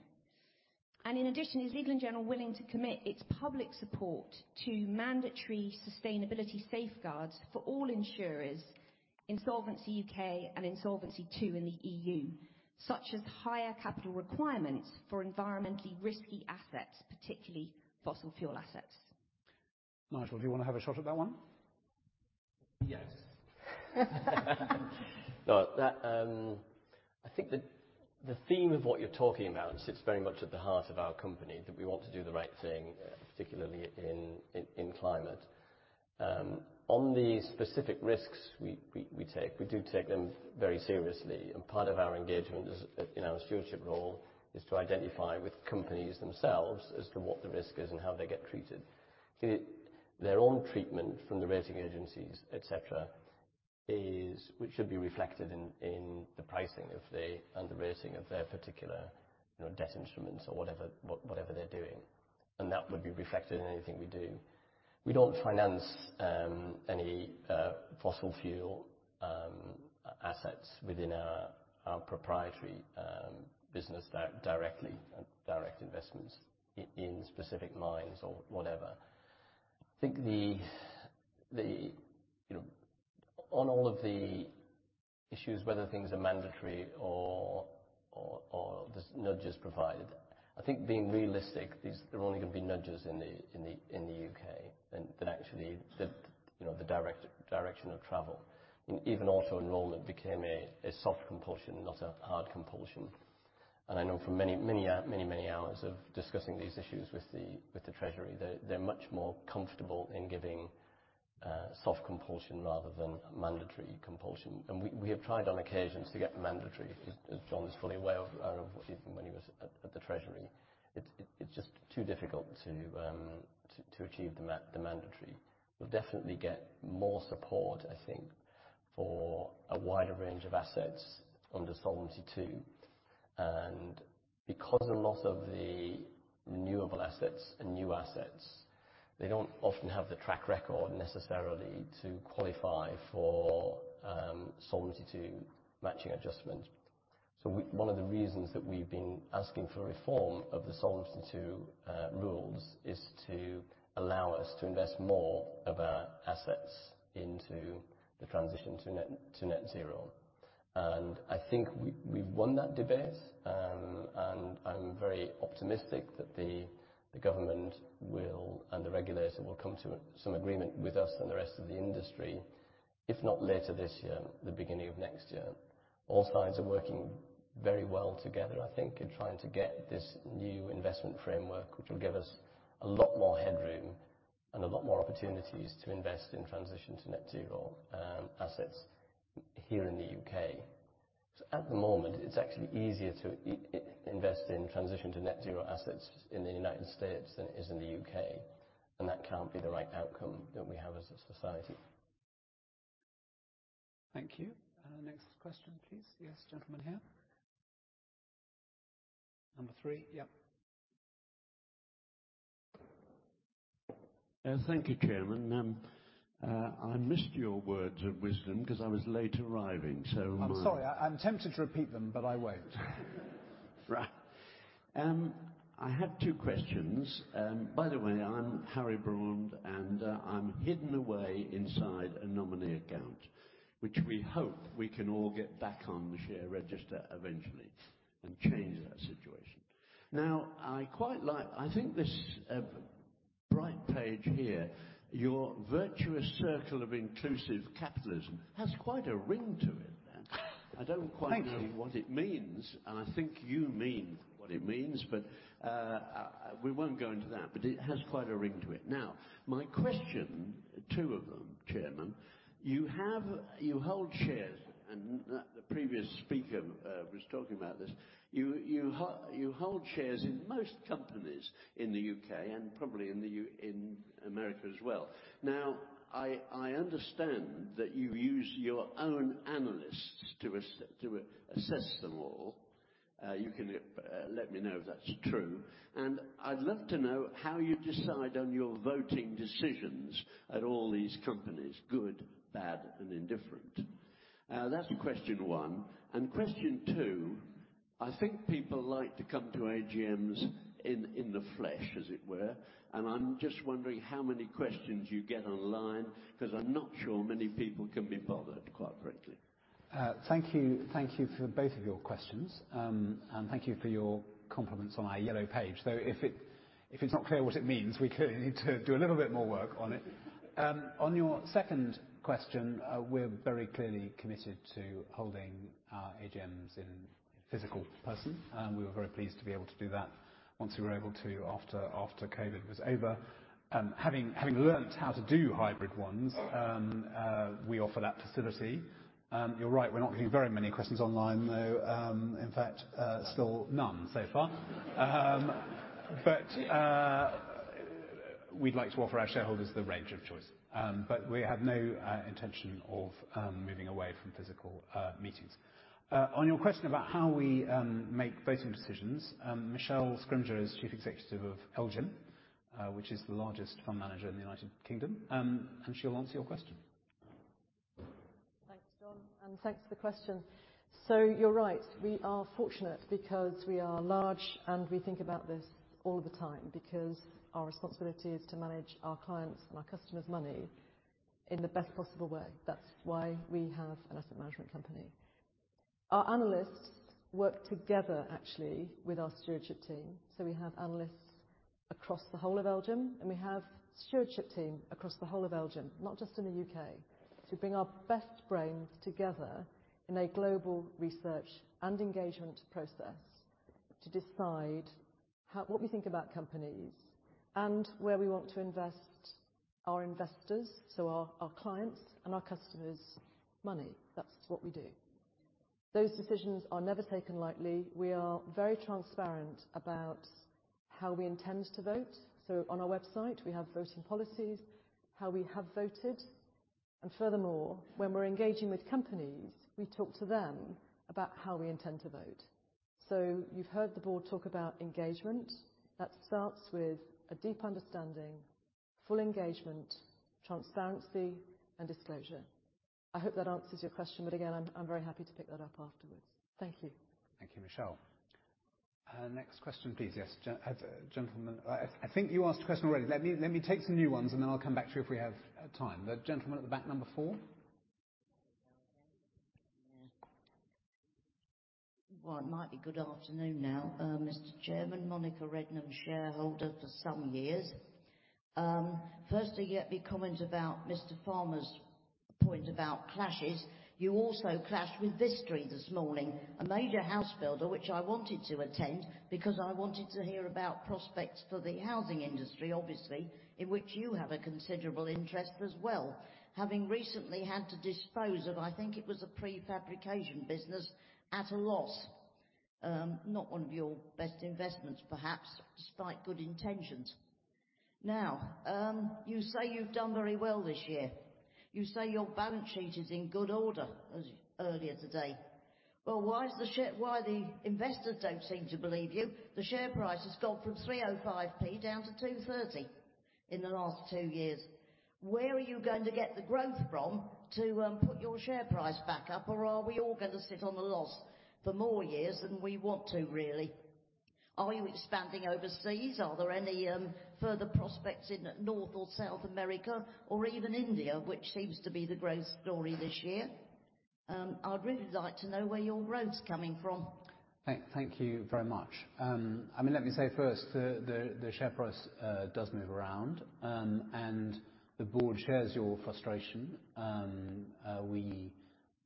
In addition, is Legal & General willing to commit its public support to mandatory sustainability safeguards for all insurers in Solvency UK and in Solvency II in the EU, such as higher capital requirements for environmentally risky assets, particularly fossil fuel assets? Nigel, do you want to have a shot at that one? Yes. I think the theme of what you're talking about sits very much at the heart of our company, that we want to do the right thing, particularly in climate. On the specific risks we take, we do take them very seriously, and part of our engagement in our stewardship role is to identify with companies themselves as to what the risk is and how they get treated. Their own treatment from the rating agencies, etc., which should be reflected in the pricing of the underrating of their particular debt instruments or whatever they're doing. That would be reflected in anything we do. We don't finance any fossil fuel assets within our proprietary business directly, direct investments in specific mines or whatever. I think on all of the issues, whether things are mandatory or the nudges provided, I think being realistic, there are only going to be nudges in the U.K. than actually the direction of travel. Even auto enrollment became a soft compulsion, not a hard compulsion. I know from many, many, many, many hours of discussing these issues with the Treasury, they're much more comfortable in giving soft compulsion rather than mandatory compulsion. We have tried on occasions to get mandatory, as John is fully aware of, even when he was at the Treasury. It's just too difficult to achieve the mandatory. We'll definitely get more support, I think, for a wider range of assets under Solvency II. Because a lot of the renewable assets and new assets, they don't often have the track record necessarily to qualify for Solvency II matching adjustment. One of the reasons that we've been asking for reform of the Solvency II rules is to allow us to invest more of our assets into the transition to net zero. I think we've won that debate, and I'm very optimistic that the government and the regulator will come to some agreement with us and the rest of the industry, if not later this year, the beginning of next year. All sides are working very well together, I think, in trying to get this new investment framework, which will give us a lot more headroom and a lot more opportunities to invest in transition to net zero assets here in the U.K. At the moment, it's actually easier to invest in transition to net zero assets in the U.S. than it is in the U.K., and that can't be the right outcome that we have as a society. Thank you. Next question, please. Yes, gentleman here. Number three. Yep. Thank you, Chairman. I missed your words of wisdom because I was late arriving, so my. I'm sorry. I'm tempted to repeat them, but I won't. Right. I had two questions. By the way, I'm Harry Brund, and I'm hidden away inside a nominee account, which we hope we can all get back on the share register eventually and change that situation. Now, I quite like, I think this bright page here, your virtuous circle of inclusive capitalism has quite a ring to it. I don't quite know what it means, and I think you mean what it means, but we won't go into that, but it has quite a ring to it. Now, my question, two of them, Chairman, you hold shares, and the previous speaker was talking about this. You hold shares in most companies in the U.K. and probably in America as well. Now, I understand that you use your own analysts to assess them all. You can let me know if that's true. I'd love to know how you decide on your voting decisions at all these companies, good, bad, and indifferent. That's question one. Question two, I think people like to come to AGMs in the flesh, as it were. I'm just wondering how many questions you get online because I'm not sure many people can be bothered, quite frankly. Thank you for both of your questions, and thank you for your compliments on our yellow page. Though if it's not clear what it means, we clearly need to do a little bit more work on it. On your second question, we're very clearly committed to holding our AGMs in physical person. We were very pleased to be able to do that once we were able to after COVID was over. Having learned how to do hybrid ones, we offer that facility. You're right, we're not getting very many questions online, though. In fact, still none so far. We'd like to offer our shareholders the range of choice. We have no intention of moving away from physical meetings. On your question about how we make voting decisions, Michelle Scrimgeour is Chief Executive of LGIM, which is the largest fund manager in the United Kingdom, and she'll answer your question. Thanks, John, and thanks for the question. You're right. We are fortunate because we are large, and we think about this all of the time because our responsibility is to manage our clients' and our customers' money in the best possible way. That's why we have an asset management company. Our analysts work together, actually, with our stewardship team. We have analysts across the whole of LGIM, and we have a stewardship team across the whole of LGIM, not just in the U.K., to bring our best brains together in a global research and engagement process to decide what we think about companies and where we want to invest our investors, so our clients and our customers' money. That's what we do. Those decisions are never taken lightly. We are very transparent about how we intend to vote. On our website, we have voting policies, how we have voted. Furthermore, when we are engaging with companies, we talk to them about how we intend to vote. You have heard the board talk about engagement. That starts with a deep understanding, full engagement, transparency, and disclosure. I hope that answers your question, but again, I am very happy to pick that up afterwards. Thank you. Thank you, Michelle. Next question, please. Yes, gentlemen, I think you asked a question already. Let me take some new ones, and then I'll come back to you if we have time. The gentleman at the back, number four. It might be good afternoon now. Mr. Chairman, Monica Rednum, shareholder for some years. First, I get the comment about Mr. Farmer's point about clashes. You also clashed with Vistry this morning, a major house builder which I wanted to attend because I wanted to hear about prospects for the housing industry, obviously, in which you have a considerable interest as well, having recently had to dispose of, I think it was a prefabrication business, at a loss. Not one of your best investments, perhaps, despite good intentions. You say you've done very well this year. You say your balance sheet is in good order, as earlier today. Why the investors don't seem to believe you? The share price has gone from 3.05 down to 2.30 in the last two years. Where are you going to get the growth from to put your share price back up, or are we all going to sit on the loss for more years than we want to, really? Are you expanding overseas? Are there any further prospects in North or South America, or even India, which seems to be the growth story this year? I'd really like to know where your growth's coming from. Thank you very much. I mean, let me say first, the share price does move around, and the board shares your frustration.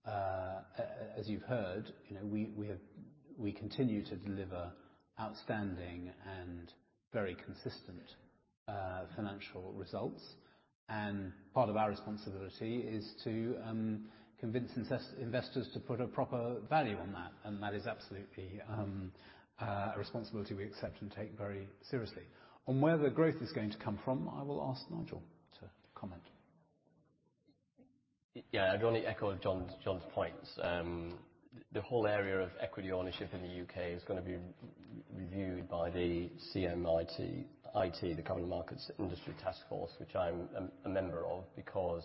As you have heard, we continue to deliver outstanding and very consistent financial results. Part of our responsibility is to convince investors to put a proper value on that. That is absolutely a responsibility we accept and take very seriously. On where the growth is going to come from, I will ask Nigel to comment. Yeah, I'd only echo John's points. The whole area of equity ownership in the U.K. is going to be reviewed by the CMIT, the Common Markets Industry Taskforce, which I'm a member of because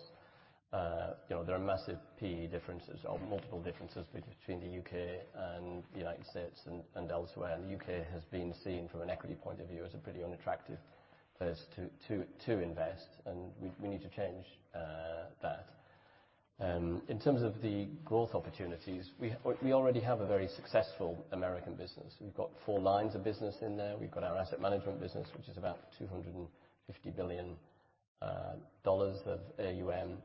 there are massive PE differences or multiple differences between the U.K. and the United States and elsewhere. The U.K. has been seen from an equity point of view as a pretty unattractive place to invest, and we need to change that. In terms of the growth opportunities, we already have a very successful American business. We've got four lines of business in there. We've got our Asset Management business, which is about $250 billion of AUM.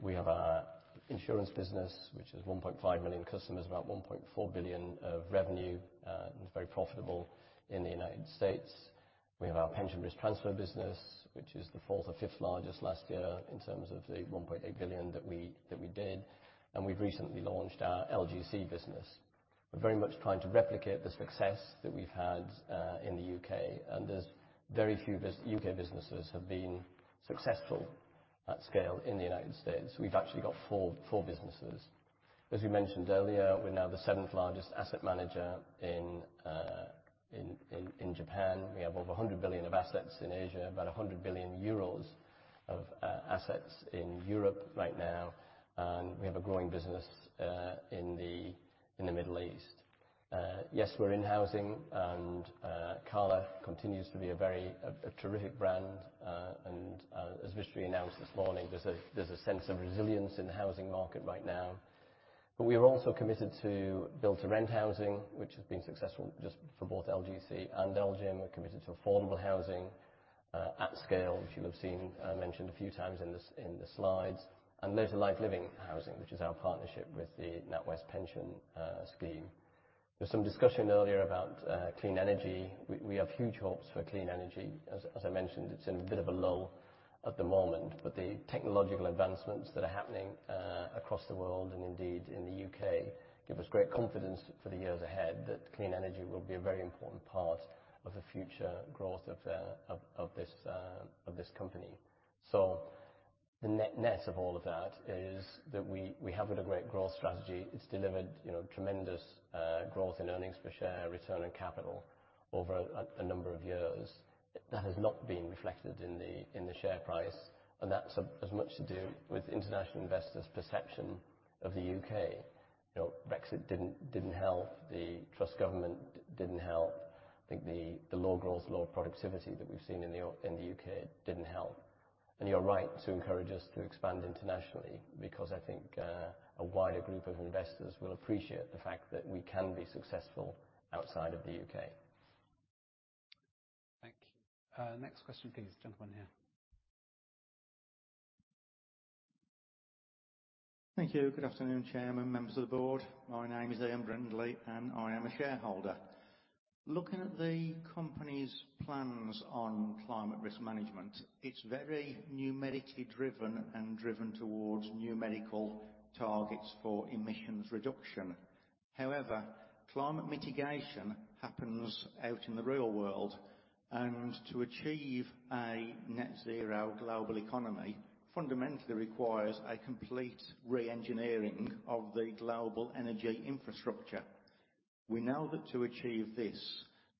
We have our Insurance business, which has 1.5 million customers, about $1.4 billion of revenue. It's very profitable in the United States. We have our Pension Risk Transfer business, which is the fourth or fifth largest last year in terms of the 1.8 billion that we did. We have recently launched our LGC business. We are very much trying to replicate the success that we have had in the U.K. There are very few U.K. businesses that have been successful at scale in the U.S. We have actually got four businesses. As we mentioned earlier, we are now the seventh largest asset manager in Japan. We have over $100 billion of assets in Asia, about 100 billion euros of assets in Europe right now. We have a growing business in the Middle East. Yes, we are in housing, and Cala continues to be a very terrific brand. As Vistry announced this morning, there is a sense of resilience in the housing market right now. We are also committed to built-to-rent housing, which has been successful just for both LGC and LGIM. We are committed to affordable housing at scale, which you have seen mentioned a few times in the slides. There is a life-living housing, which is our partnership with the NatWest Pension Scheme. There was some discussion earlier about clean energy. We have huge hopes for clean energy. As I mentioned, it is in a bit of a lull at the moment. The technological advancements that are happening across the world and indeed in the U.K. give us great confidence for the years ahead that clean energy will be a very important part of the future growth of this company. The netness of all of that is that we have a great growth strategy. It has delivered tremendous growth in earnings per share, return on capital over a number of years. That has not been reflected in the share price. That is as much to do with international investors' perception of the U.K. Brexit did not help. The Truss government did not help. I think the low growth, low productivity that we have seen in the U.K. did not help. You are right to encourage us to expand internationally because I think a wider group of investors will appreciate the fact that we can be successful outside of the U.K. Thank you. Next question, please, gentlemen here. Thank you. Good afternoon, Chairman, members of the board. My name is Ian Brindley, and I am a shareholder. Looking at the company's plans on climate risk management, it's very numerically driven and driven towards numerical targets for emissions reduction. However, climate mitigation happens out in the real world. To achieve a net zero global economy fundamentally requires a complete re-engineering of the global energy infrastructure. We know that to achieve this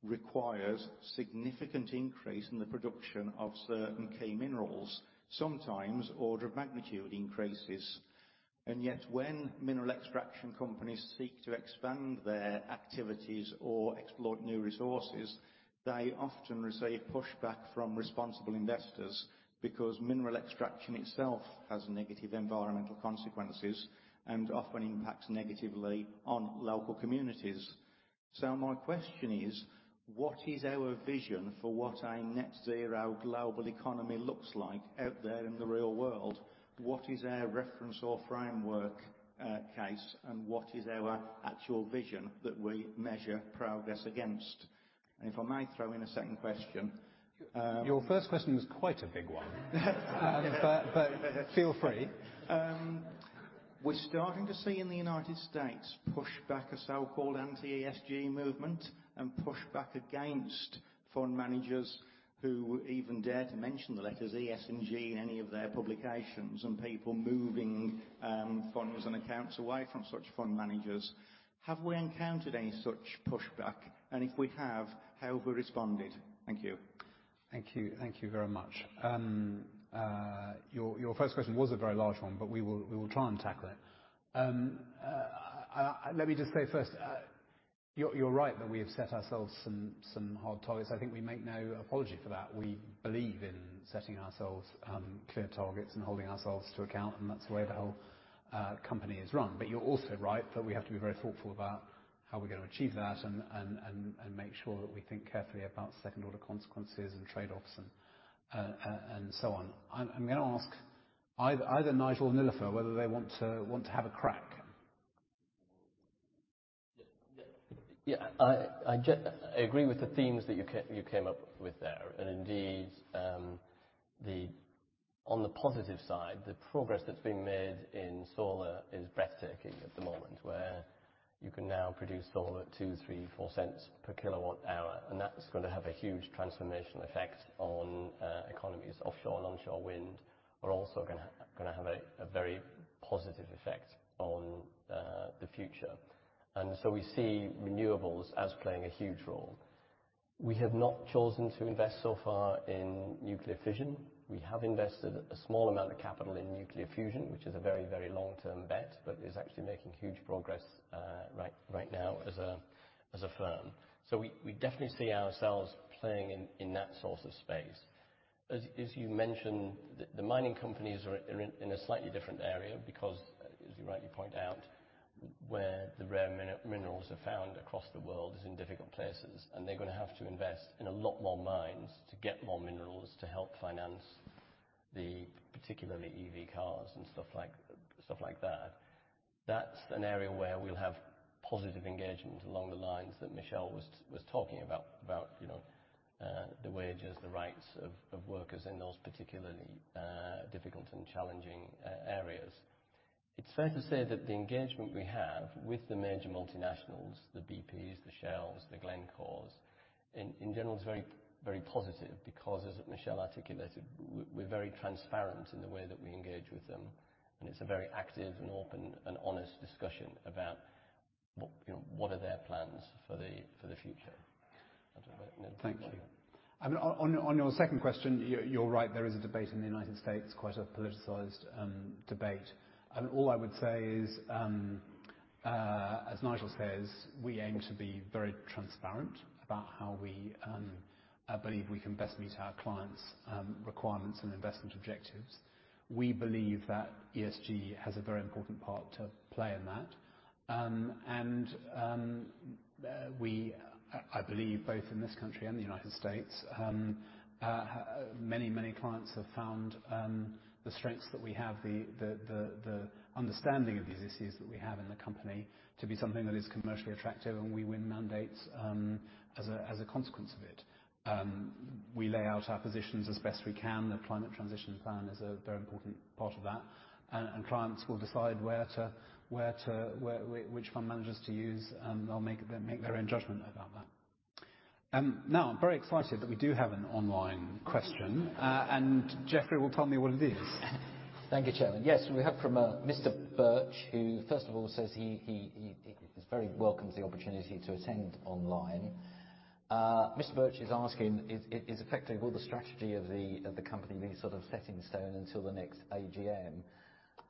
requires a significant increase in the production of certain key minerals, sometimes order of magnitude increases. Yet, when mineral extraction companies seek to expand their activities or exploit new resources, they often receive pushback from responsible investors because mineral extraction itself has negative environmental consequences and often impacts negatively on local communities. My question is, what is our vision for what a net zero global economy looks like out there in the real world? What is our reference or framework case, and what is our actual vision that we measure progress against? If I may throw in a second question. Your first question was quite a big one, but feel free. We're starting to see in the United States pushback of so-called anti-ESG movement and pushback against fund managers who even dare to mention the letters E S and G in any of their publications and people moving funds and accounts away from such fund managers. Have we encountered any such pushback? If we have, how have we responded? Thank you. Thank you very much. Your first question was a very large one, but we will try and tackle it. Let me just say first, you're right that we have set ourselves some hard targets. I think we make no apology for that. We believe in setting ourselves clear targets and holding ourselves to account, and that's the way the whole company is run. You're also right that we have to be very thoughtful about how we're going to achieve that and make sure that we think carefully about second-order consequences and trade-offs and so on. I'm going to ask either Nigel or Nilufer whether they want to have a crack. Yeah, I agree with the themes that you came up with there. Indeed, on the positive side, the progress that's being made in solar is breathtaking at the moment, where you can now produce solar at $0.02, $0.03, $0.04 per kilowatt-hour. That's going to have a huge transformational effect on economies. Offshore, onshore wind are also going to have a very positive effect on the future. We see renewables as playing a huge role. We have not chosen to invest so far in nuclear fission. We have invested a small amount of capital in nuclear fusion, which is a very, very long-term bet, but is actually making huge progress right now as a firm. We definitely see ourselves playing in that sort of space. As you mentioned, the mining companies are in a slightly different area because, as you rightly point out, where the rare minerals are found across the world is in difficult places. They are going to have to invest in a lot more mines to get more minerals to help finance the particularly EV cars and stuff like that. That is an area where we will have positive engagements along the lines that Michelle was talking about, about the wages, the rights of workers in those particularly difficult and challenging areas. It is fair to say that the engagement we have with the major multinationals, the BPs, the Shells, the Glencores, in general, is very positive because, as Michelle articulated, we are very transparent in the way that we engage with them. It is a very active and open and honest discussion about what are their plans for the future. Thank you. On your second question, you're right. There is a debate in the United States, quite a politicized debate. All I would say is, as Nigel says, we aim to be very transparent about how we believe we can best meet our clients' requirements and investment objectives. We believe that ESG has a very important part to play in that. I believe both in this country and the United States, many, many clients have found the strengths that we have, the understanding of these issues that we have in the company to be something that is commercially attractive, and we win mandates as a consequence of it. We lay out our positions as best we can. The climate transition plan is a very important part of that. Clients will decide which fund managers to use, and they'll make their own judgment about that. Now, I'm very excited that we do have an online question. Jeffrey will tell me what it is. Thank you, Chairman. Yes, we have from Mr. Birch, who first of all says he very welcomes the opportunity to attend online. Mr. Birch is asking, is effectively will the strategy of the company be sort of set in stone until the next AGM?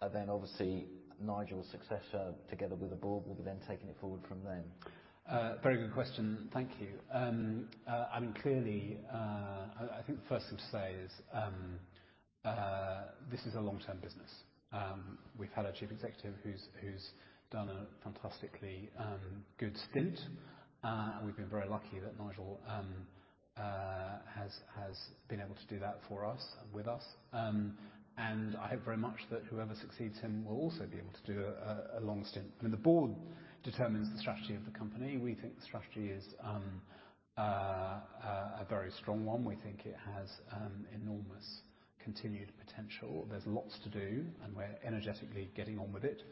Obviously, Nigel's successor, together with the board, will be then taking it forward from then? Very good question. Thank you. I mean, clearly, I think the first thing to say is this is a long-term business. We've had our Chief Executive who's done a fantastically good stint. We've been very lucky that Nigel has been able to do that for us and with us. I hope very much that whoever succeeds him will also be able to do a long stint. I mean, the board determines the strategy of the company. We think the strategy is a very strong one. We think it has enormous continued potential. There's lots to do, and we're energetically getting on with it.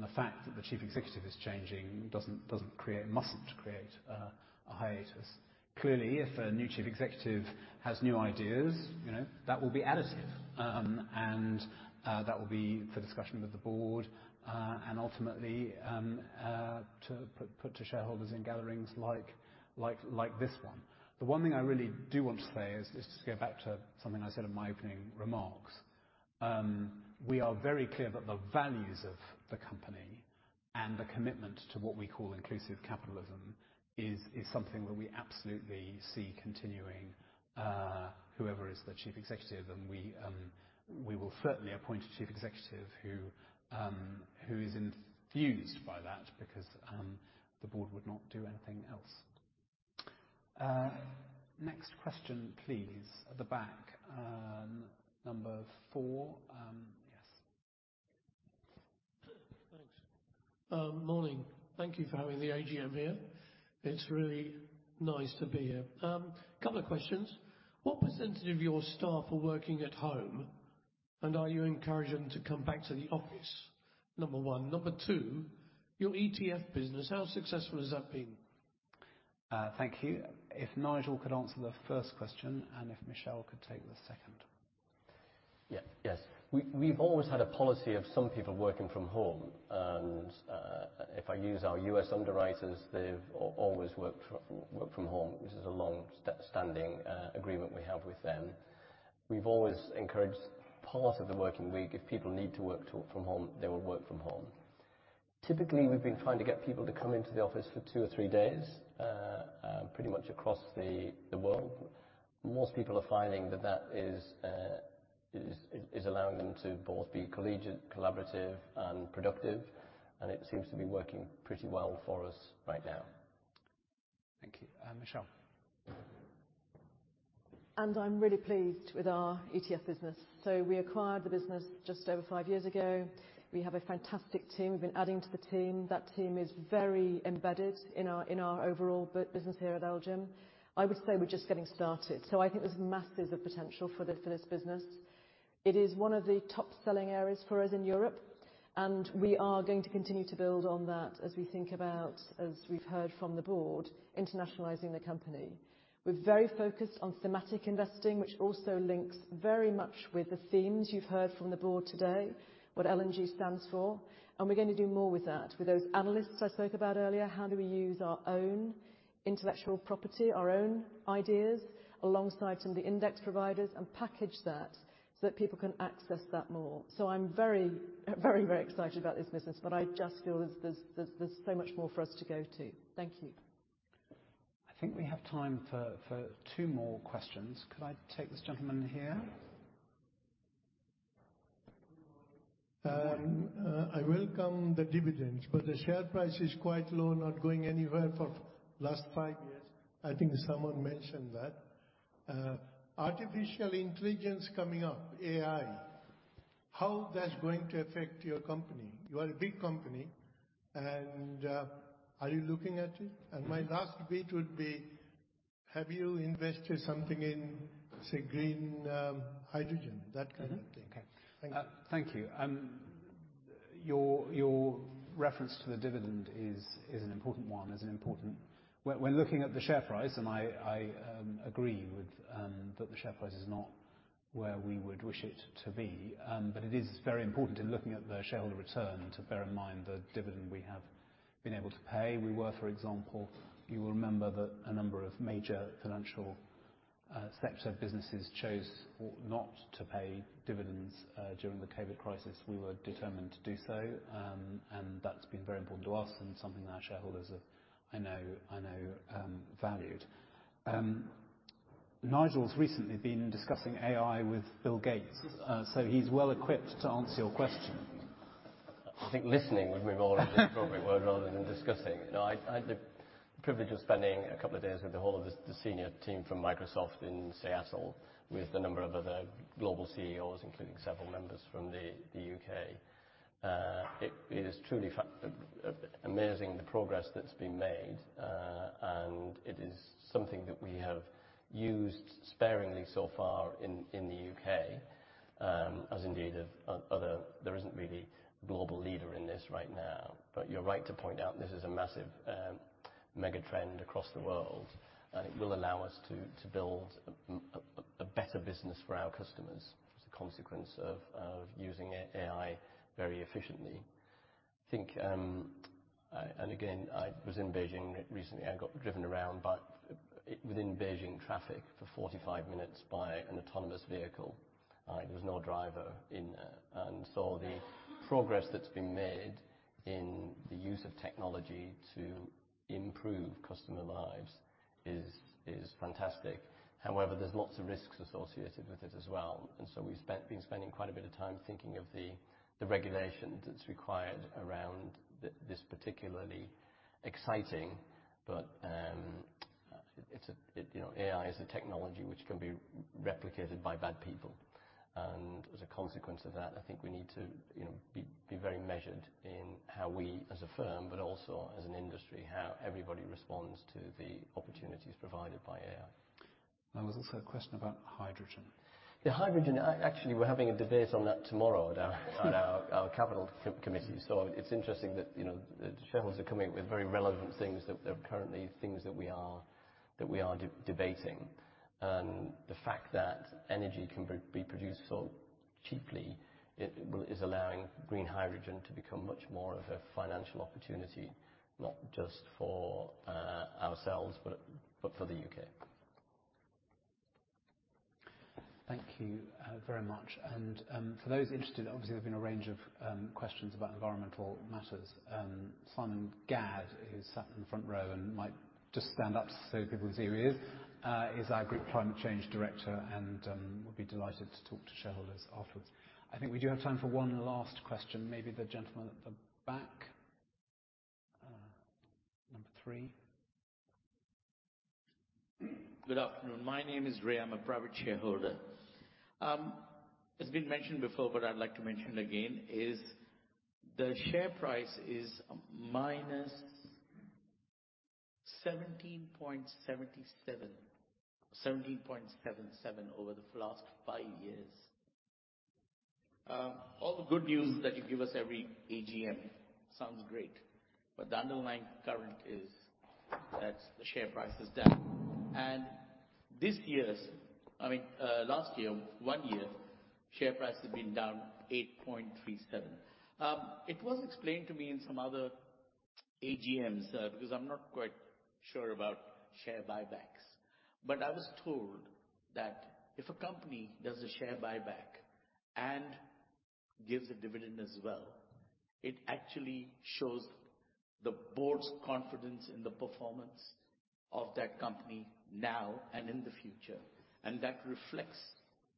The fact that the Chief Executive is changing does not create and must not create a hiatus. Clearly, if a new Chief Executive has new ideas, that will be additive. That will be for discussion with the board and ultimately to put to shareholders in gatherings like this one. The one thing I really do want to say is just to go back to something I said in my opening remarks. We are very clear that the values of the company and the commitment to what we call inclusive capitalism is something that we absolutely see continuing whoever is the chief executive. We will certainly appoint a chief executive who is enthused by that because the board would not do anything else. Next question, please, at the back. Number four. Yes. Morning. Thank you for having the AGM here. It's really nice to be here. A couple of questions. What percentage of your staff are working at home? Are you encouraging them to come back to the office? Number one. Number two, your ETF business, how successful has that been? Thank you. If Nigel could answer the first question, and if Michelle could take the second. Yes. We've always had a policy of some people working from home. If I use our US underwriters, they've always worked from home, which is a long-standing agreement we have with them. We've always encouraged part of the working week. If people need to work from home, they will work from home. Typically, we've been trying to get people to come into the office for two or three days pretty much across the world. Most people are finding that that is allowing them to both be collegiate, collaborative, and productive. It seems to be working pretty well for us right now. Thank you. Michelle. I'm really pleased with our ETF business. We acquired the business just over five years ago. We have a fantastic team. We've been adding to the team. That team is very embedded in our overall business here at LGIM. I would say we're just getting started. I think there's masses of potential for this business. It is one of the top-selling areas for us in Europe. We are going to continue to build on that as we think about, as we've heard from the board, internationalizing the company. We're very focused on thematic investing, which also links very much with the themes you've heard from the board today, what L&G stands for. We're going to do more with that, with those analysts I spoke about earlier. How do we use our own intellectual property, our own ideas, alongside some of the index providers and package that so that people can access that more? I am very, very, very excited about this business, but I just feel there is so much more for us to go to. Thank you. I think we have time for two more questions. Could I take this gentleman here? I welcome the dividends, but the share price is quite low, not going anywhere for the last five years. I think someone mentioned that. Artificial intelligence coming up, AI, how that's going to affect your company? You are a big company. Are you looking at it? My last bit would be, have you invested something in, say, green hydrogen, that kind of thing? Thank you. Thank you. Your reference to the dividend is an important one. We're looking at the share price, and I agree that the share price is not where we would wish it to be. It is very important in looking at the shareholder return to bear in mind the dividend we have been able to pay. We were, for example, you will remember that a number of major financial sector businesses chose not to pay dividends during the COVID crisis. We were determined to do so. That has been very important to us and something that our shareholders, I know, valued. Nigel's recently been discussing AI with Bill Gates. He is well equipped to answer your question. I think listening would be more of the appropriate word rather than discussing. The privilege of spending a couple of days with the whole of the senior team from Microsoft in Seattle with a number of other global CEOs, including several members from the U.K., it is truly amazing the progress that's been made. It is something that we have used sparingly so far in the U.K., as indeed there isn't really a global leader in this right now. You are right to point out this is a massive mega trend across the world. It will allow us to build a better business for our customers as a consequence of using AI very efficiently. I think, and again, I was in Beijing recently. I got driven around within Beijing traffic for 45 minutes by an autonomous vehicle. There was no driver in there. The progress that's been made in the use of technology to improve customer lives is fantastic. However, there's lots of risks associated with it as well. We've been spending quite a bit of time thinking of the regulation that's required around this, particularly exciting. AI is a technology which can be replicated by bad people. As a consequence of that, I think we need to be very measured in how we, as a firm, but also as an industry, how everybody responds to the opportunities provided by AI. There was also a question about hydrogen. Yeah, hydrogen. Actually, we're having a debate on that tomorrow at our capital committee. It is interesting that the shareholders are coming up with very relevant things that are currently things that we are debating. The fact that energy can be produced so cheaply is allowing green hydrogen to become much more of a financial opportunity, not just for ourselves, but for the U.K. Thank you very much. For those interested, obviously, there have been a range of questions about environmental matters. Simon Gadd, who is sat in the front row and might just stand up so people can see who he is, is our Group Climate Change Director and would be delighted to talk to shareholders afterwards. I think we do have time for one last question. Maybe the gentleman at the back, number three. Good afternoon. My name is Ray. I'm a private shareholder. As been mentioned before, but I'd like to mention again, the share price is -17.77% over the last five years. All the good news that you give us every AGM sounds great. The underlying current is that the share price is down. This year, I mean, last year, one year, share price has been down 8.37%. It was explained to me in some other AGMs because I'm not quite sure about share buybacks. I was told that if a company does a share buyback and gives a dividend as well, it actually shows the board's confidence in the performance of that company now and in the future. That reflects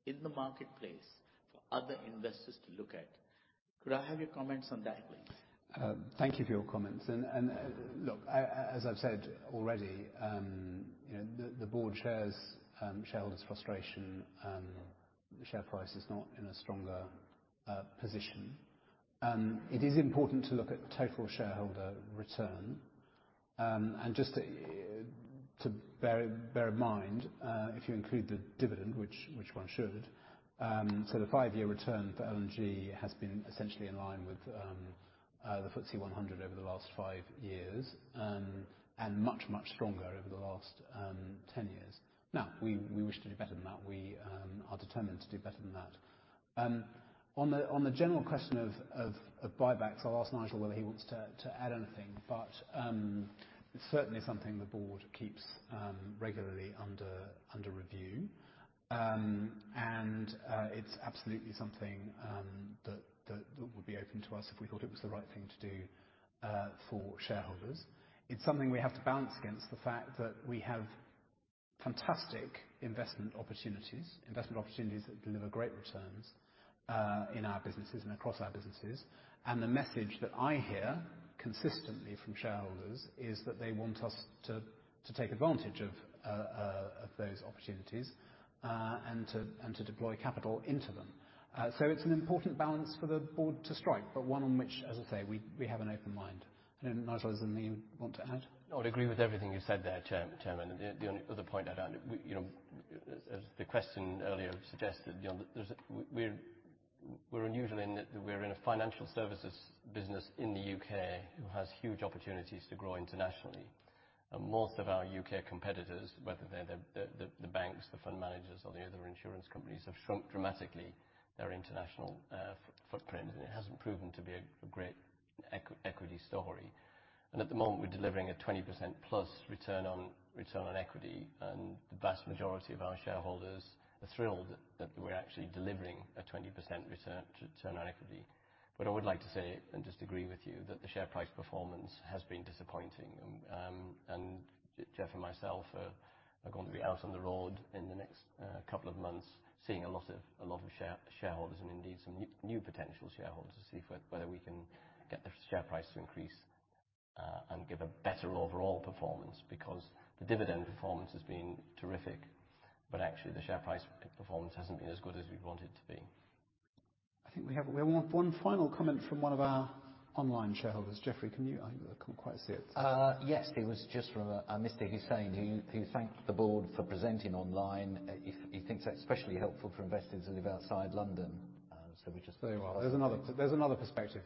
in the marketplace for other investors to look at. Could I have your comments on that, please? Thank you for your comments. Look, as I've said already, the board shares shareholders' frustration. The share price is not in a stronger position. It is important to look at total shareholder return. Just to bear in mind, if you include the dividend, which one should, the five-year return for L&G has been essentially in line with the FTSE 100 over the last five years and much, much stronger over the last 10 years. We wish to do better than that. We are determined to do better than that. On the general question of buybacks, I'll ask Nigel whether he wants to add anything. It is certainly something the board keeps regularly under review. It is absolutely something that would be open to us if we thought it was the right thing to do for shareholders. It's something we have to balance against the fact that we have fantastic investment opportunities, investment opportunities that deliver great returns in our businesses and across our businesses. The message that I hear consistently from shareholders is that they want us to take advantage of those opportunities and to deploy capital into them. It is an important balance for the board to strike, but one on which, as I say, we have an open mind. I do not know if Nigel has anything he would want to add. I would agree with everything you've said there, Chairman. The other point, as the question earlier suggested, we're unusual in that we're in a financial services business in the U.K. who has huge opportunities to grow internationally. Most of our U.K. competitors, whether they're the banks, the fund managers, or the other insurance companies, have shrunk dramatically their international footprint. It hasn't proven to be a great equity story. At the moment, we're delivering a 20%+ return on equity. The vast majority of our shareholders are thrilled that we're actually delivering a 20% return on equity. I would like to say and just agree with you that the share price performance has been disappointing. Jeff and myself are going to be out on the road in the next couple of months, seeing a lot of shareholders and indeed some new potential shareholders to see whether we can get the share price to increase and give a better overall performance because the dividend performance has been terrific, but actually the share price performance hasn't been as good as we want it to be. I think we have one final comment from one of our online shareholders. Jeffrey, can you—I can't quite see it. Yes. It was just from a Mr. Hussain who thanked the board for presenting online. He thinks that's especially helpful for investors who live outside London. We just. Is another perspective.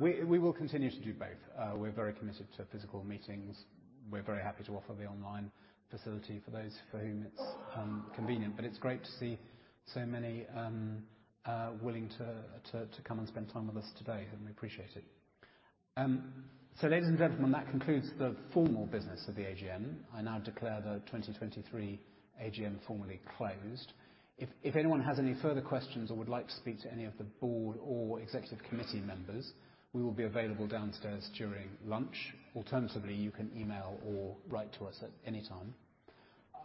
We will continue to do both. We are very committed to physical meetings. We are very happy to offer the online facility for those for whom it is convenient. It is great to see so many willing to come and spend time with us today. We appreciate it. Ladies and gentlemen, that concludes the formal business of the AGM. I now declare the 2023 AGM formally closed. If anyone has any further questions or would like to speak to any of the board or executive committee members, we will be available downstairs during lunch. Alternatively, you can email or write to us at any time.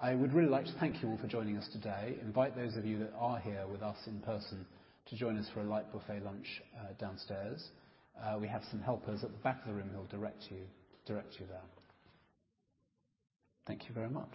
I would really like to thank you all for joining us today. I invite those of you that are here with us in person to join us for a light buffet lunch downstairs. We have some helpers at the back of the room who'll direct you there. Thank you very much.